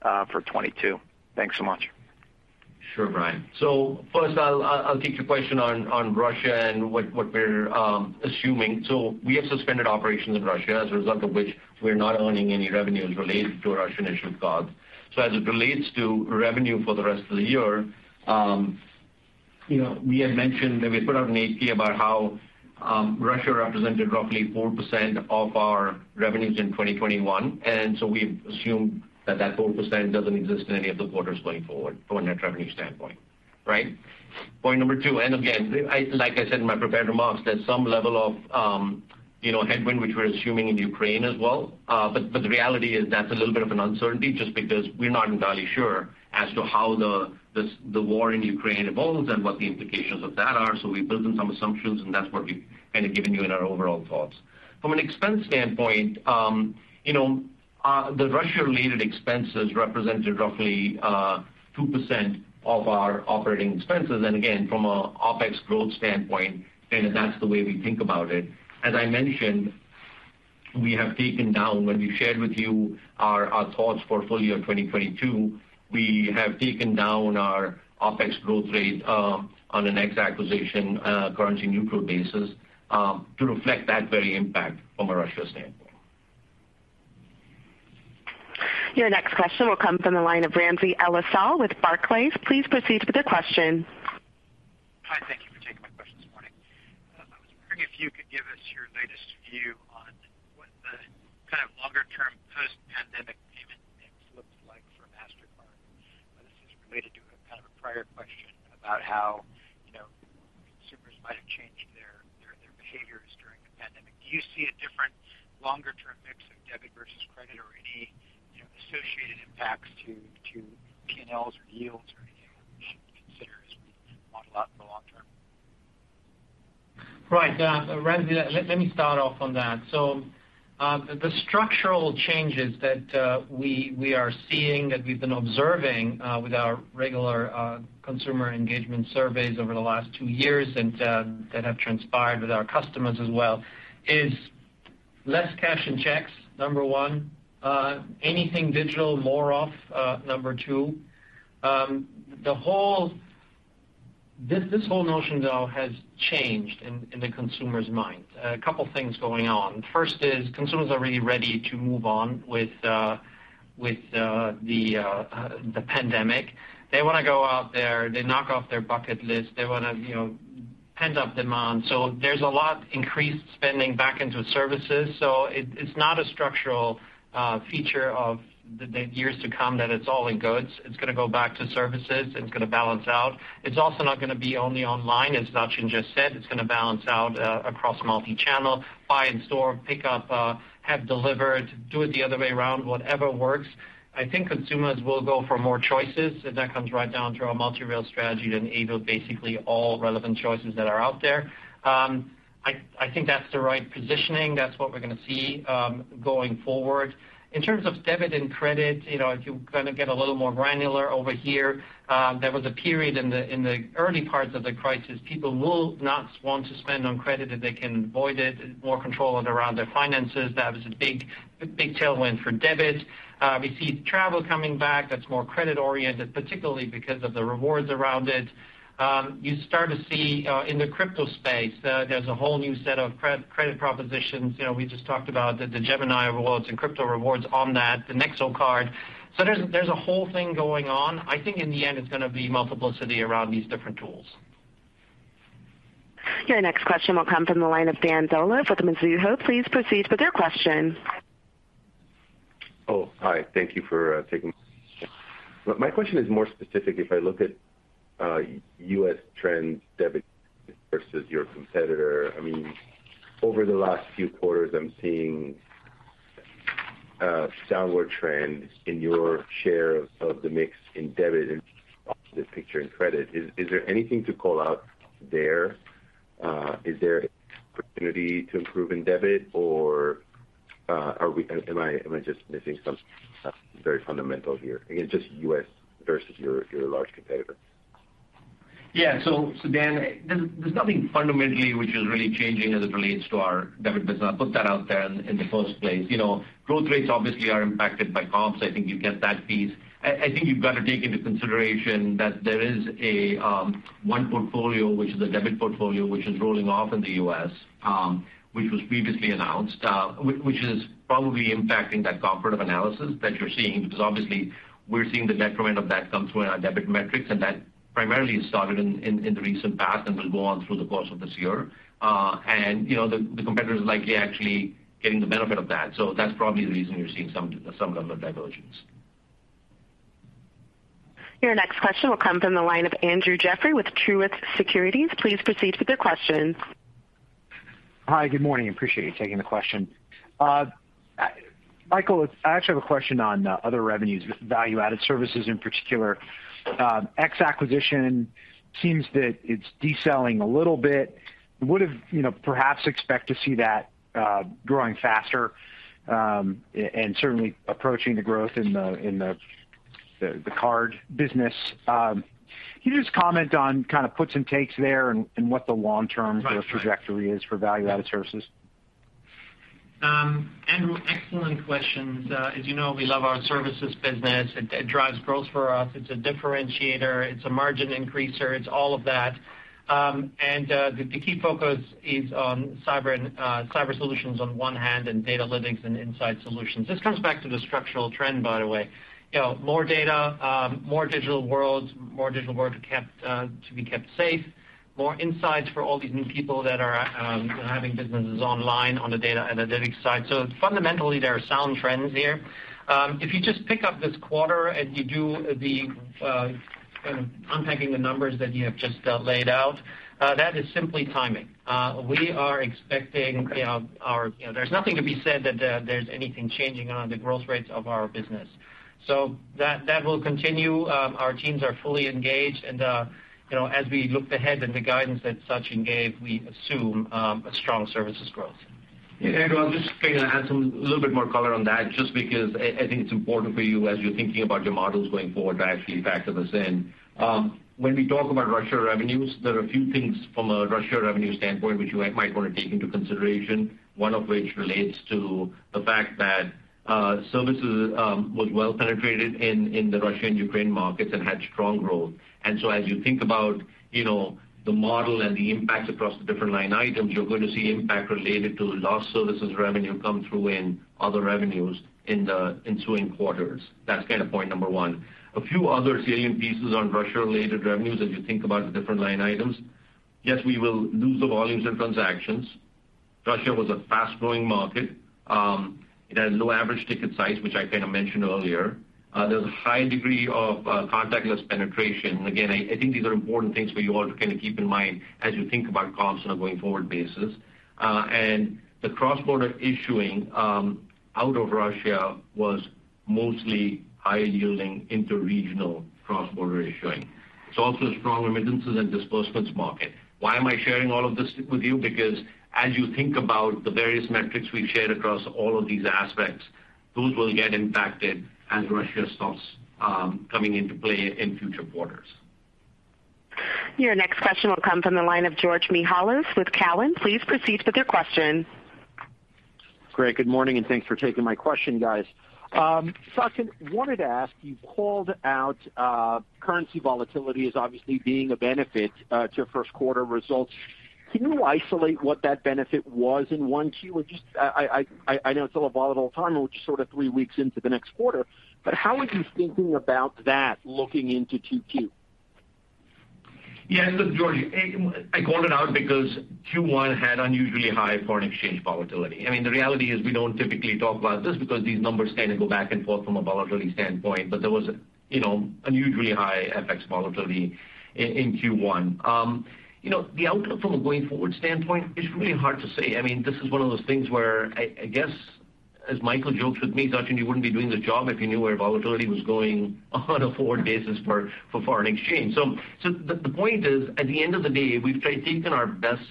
for 2022? Thanks so much. Sure, Brian. First I'll take your question on Russia and what we're assuming. We have suspended operations in Russia as a result of which we're not earning any revenues related to Russian-issued cards. As it relates to revenue for the rest of the year, you know, we had mentioned that we put out an AP about how Russia represented roughly 4% of our revenues in 2021, and so we assume that that 4% doesn't exist in any of the quarters going forward from a net revenue standpoint, right? Point number two, and again, like I said in my prepared remarks, there's some level of, you know, headwind which we're assuming in Ukraine as well. The reality is that's a little bit of an uncertainty just because we're not entirely sure as to how the war in Ukraine evolves and what the implications of that are. We built in some assumptions, and that's what we've kind of given you in our overall thoughts. From an expense standpoint, you know, the Russia-related expenses represented roughly 2% of our operating expenses, and again, from a OpEx growth standpoint, and that's the way we think about it. As I mentioned, we have taken down when we shared with you our thoughts for full year 2022, we have taken down our OpEx growth rate on an ex-acquisition, currency-neutral basis to reflect that very impact from a Russia standpoint. Your next question will come from the line of Ramsey El-Assal with Barclays. Please proceed with your question. Hi, thank you for taking my question this morning. I was wondering if you could give us your latest view on what the kind of longer term post-pandemic payment mix looks like for Mastercard. This is related to a kind of a prior question about how, you know, consumers might have changed their behaviors during the pandemic. Do you see a different longer term mix of debit versus credit or any, you know, associated impacts to P&Ls or yields or anything we should consider as we model out for the long term? Right. Ramsey, let me start off on that. The structural changes that we are seeing, that we've been observing, with our regular consumer engagement surveys over the last 2 years and that have transpired with our customers as well is less cash and checks, number one. Anything digital, more of, number two. This whole notion though has changed in the consumer's mind. A couple things going on. First is consumers are really ready to move on with the pandemic. They wanna go out there. They knock off their bucket list. They wanna, you know, pent-up demand. There's a lot increased spending back into services. It's not a structural feature of the years to come that it's all in goods. It's gonna go back to services, it's gonna balance out. It's also not gonna be only online, as Sachin just said. It's gonna balance out across multichannel, buy in store, pick up, have delivered, do it the other way around, whatever works. I think consumers will go for more choices, and that comes right down through our multi-rail strategy to enable basically all relevant choices that are out there. I think that's the right positioning. That's what we're gonna see going forward. In terms of debit and credit, you know, if you kinda get a little more granular over here, there was a period in the early parts of the crisis, people will not want to spend on credit if they can avoid it, more control around their finances. That was a big, big tailwind for debit. We see travel coming back, that's more credit oriented, particularly because of the rewards around it. You start to see in the crypto space, there's a whole new set of credit propositions. You know, we just talked about the Gemini rewards and crypto rewards on that, the Nexo card. There's a whole thing going on. I think in the end it's gonna be multiplicity around these different tools. Your next question will come from the line of Dan Dolev with Mizuho. Please proceed with your question. Hi. Thank you for taking my question. My question is more specific. If I look at U.S. trends debit versus your competitor, I mean, over the last few quarters, I'm seeing a downward trend in your share of the mix in debit and the picture in credit. Is there anything to call out there? Is there opportunity to improve in debit or am I just missing some very fundamentals here? Again, just U.S. versus your large competitor. Yeah. Dan, there's nothing fundamentally which is really changing as it relates to our debit business. I'll put that out there in the first place. You know, growth rates obviously are impacted by comps. I think you get that piece. I think you've got to take into consideration that there is a one portfolio, which is a debit portfolio, which is rolling off in the U.S., which was previously announced, which is probably impacting that comparative analysis that you're seeing because obviously we're seeing the detriment of that come through in our debit metrics, and that primarily started in the recent past and will go on through the course of this year. You know, the competitor is likely actually getting the benefit of that. That's probably the reason you're seeing some level of divergence. Your next question will come from the line of Andrew Jeffrey with Truist Securities. Please proceed with your questions. Hi. Good morning. Appreciate you taking the question. Michael, I actually have a question on other revenues, value-added services in particular. Ex-acquisition seems that it's decelerating a little bit. I would have expected, you know, perhaps to see that growing faster and certainly approaching the growth in the card business. Can you just comment on kind of puts and takes there and what the long-term sort of trajectory is for value-added services? Andrew, excellent questions. As you know, we love our services business. It drives growth for us. It's a differentiator, it's a margin increaser, it's all of that. The key focus is on cyber and cyber solutions on one hand, and data analytics and insight solutions. This comes back to the structural trend, by the way. You know, more data, more digital worlds to be kept safe, more insights for all these new people that are, you know, having businesses online on the data analytics side. Fundamentally, there are sound trends here. If you just pick up this quarter and you do the sort of unpacking the numbers that you have just laid out, that is simply timing. We are expecting, you know, there's nothing to be said that there's anything changing on the growth rates of our business. That will continue. Our teams are fully engaged and, you know, as we look ahead in the guidance that Sachin gave, we assume a strong services growth. Yeah, Andrew, I'll just kinda add some little bit more color on that just because I think it's important for you as you're thinking about your models going forward to actually factor this in. When we talk about Russia revenues, there are a few things from a Russia revenue standpoint which you might wanna take into consideration, one of which relates to the fact that services was well penetrated in the Russia and Ukraine markets and had strong growth. As you think about, you know, the model and the impact across the different line items, you're going to see impact related to lost services revenue come through in other revenues in the ensuing quarters. That's kind of point number one. A few other salient pieces on Russia-related revenues as you think about the different line items, yes, we will lose the volumes and transactions. Russia was a fast-growing market. It has low average ticket size, which I kinda mentioned earlier. There's a high degree of contactless penetration. Again, I think these are important things for you all to kinda keep in mind as you think about comps on a going forward basis. And the cross-border issuing out of Russia was mostly high-yielding interregional cross-border issuing. It's also a strong remittances and disbursements market. Why am I sharing all of this with you? Because as you think about the various metrics we've shared across all of these aspects, those will get impacted as Russia stops coming into play in future quarters. Your next question will come from the line of George Mihalos with Cowen. Please proceed with your question. Great. Good morning, and thanks for taking my question, guys. Sachin, wanted to ask, you called out currency volatility as obviously being a benefit to first quarter results. Can you isolate what that benefit was in 1Q? Or just I know it's all a volatile time and we're sort of 3 weeks into the next quarter, but how are you thinking about that looking into 2Q? Yeah, look, George, I called it out because Q1 had unusually high foreign exchange volatility. I mean, the reality is we don't typically talk about this because these numbers kinda go back and forth from a volatility standpoint. There was, you know, unusually high FX volatility in Q1. You know, the outlook from a going forward standpoint is really hard to say. I mean, this is one of those things where I guess as Michael jokes with me, "Sachin, you wouldn't be doing the job if you knew where volatility was going on a forward basis for foreign exchange." So the point is, at the end of the day, we've tried taking our best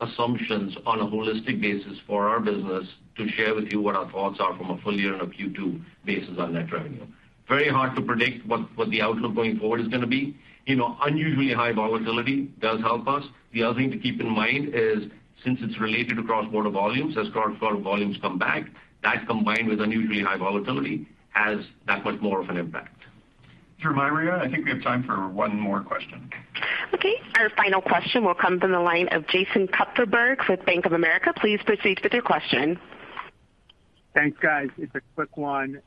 assumptions on a holistic basis for our business to share with you what our thoughts are from a full year and a Q2 basis on net revenue. Very hard to predict what the outlook going forward is gonna be. You know, unusually high volatility does help us. The other thing to keep in mind is since it's related to cross-border volumes, as cross-border volumes come back, that combined with unusually high volatility has that much more of an impact. Jemiria, I think we have time for one more question. Okay. Our final question will come from the line of Jason Kupferberg with Bank of America. Please proceed with your question. Thanks, guys. It's a quick one.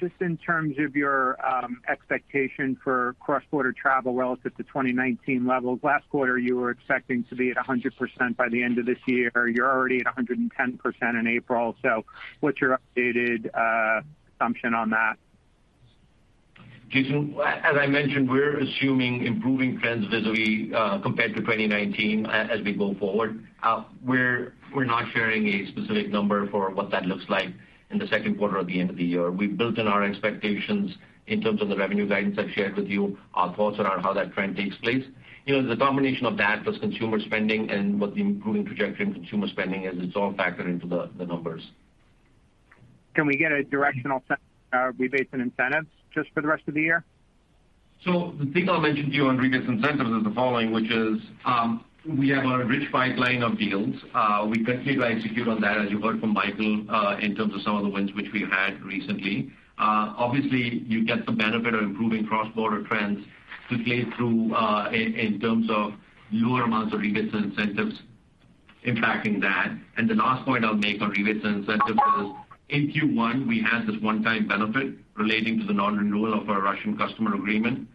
Just in terms of your expectation for cross-border travel relative to 2019 levels, last quarter you were expecting to be at 100% by the end of this year. You're already at 110% in April. What's your updated assumption on that? Jason, as I mentioned, we're assuming improving trends vis-à-vis compared to 2019 as we go forward. We're not sharing a specific number for what that looks like in the second quarter or the end of the year. We've built in our expectations in terms of the revenue guidance I've shared with you, our thoughts around how that trend takes place. You know, the combination of that plus consumer spending and what the improving trajectory in consumer spending is, it's all factored into the numbers. Can we get a directional sense on rebates and incentives just for the rest of the year? The thing I'll mention to you on rebates and incentives is the following, which is, we have a rich pipeline of deals. We continue to execute on that, as you heard from Michael, in terms of some of the wins which we had recently. Obviously you get the benefit of improving cross-border trends to play through, in terms of lower amounts of rebates and incentives impacting that. The last point I'll make on rebates and incentives is in Q1 we had this one-time benefit relating to the non-renewal of our Russian customer agreement,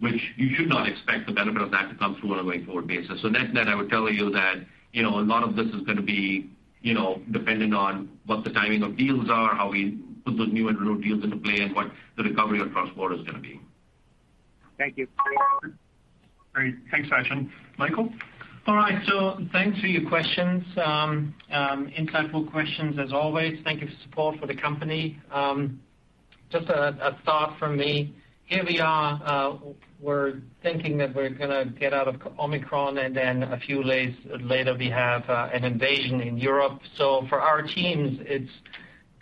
which you should not expect the benefit of that to come through on a going forward basis. Net-net, I would tell you that, you know, a lot of this is gonna be, you know, dependent on what the timing of deals are, how we put those new and renewed deals into play, and what the recovery of cross-border is gonna be. Thank you. Great. Thanks, Sachin. Michael? All right, thanks for your questions. Insightful questions as always. Thank you for support for the company. Just a thought from me. Here we are, we're thinking that we're gonna get out of Omicron, and then a few days later we have an invasion in Europe. For our teams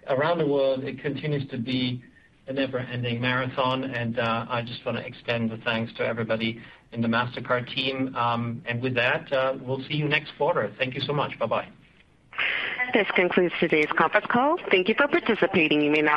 around the world, it continues to be a never-ending marathon. I just wanna extend the thanks to everybody in the Mastercard team. With that, we'll see you next quarter. Thank you so much. Bye-bye. This concludes today's conference call. Thank you for participating. You may now-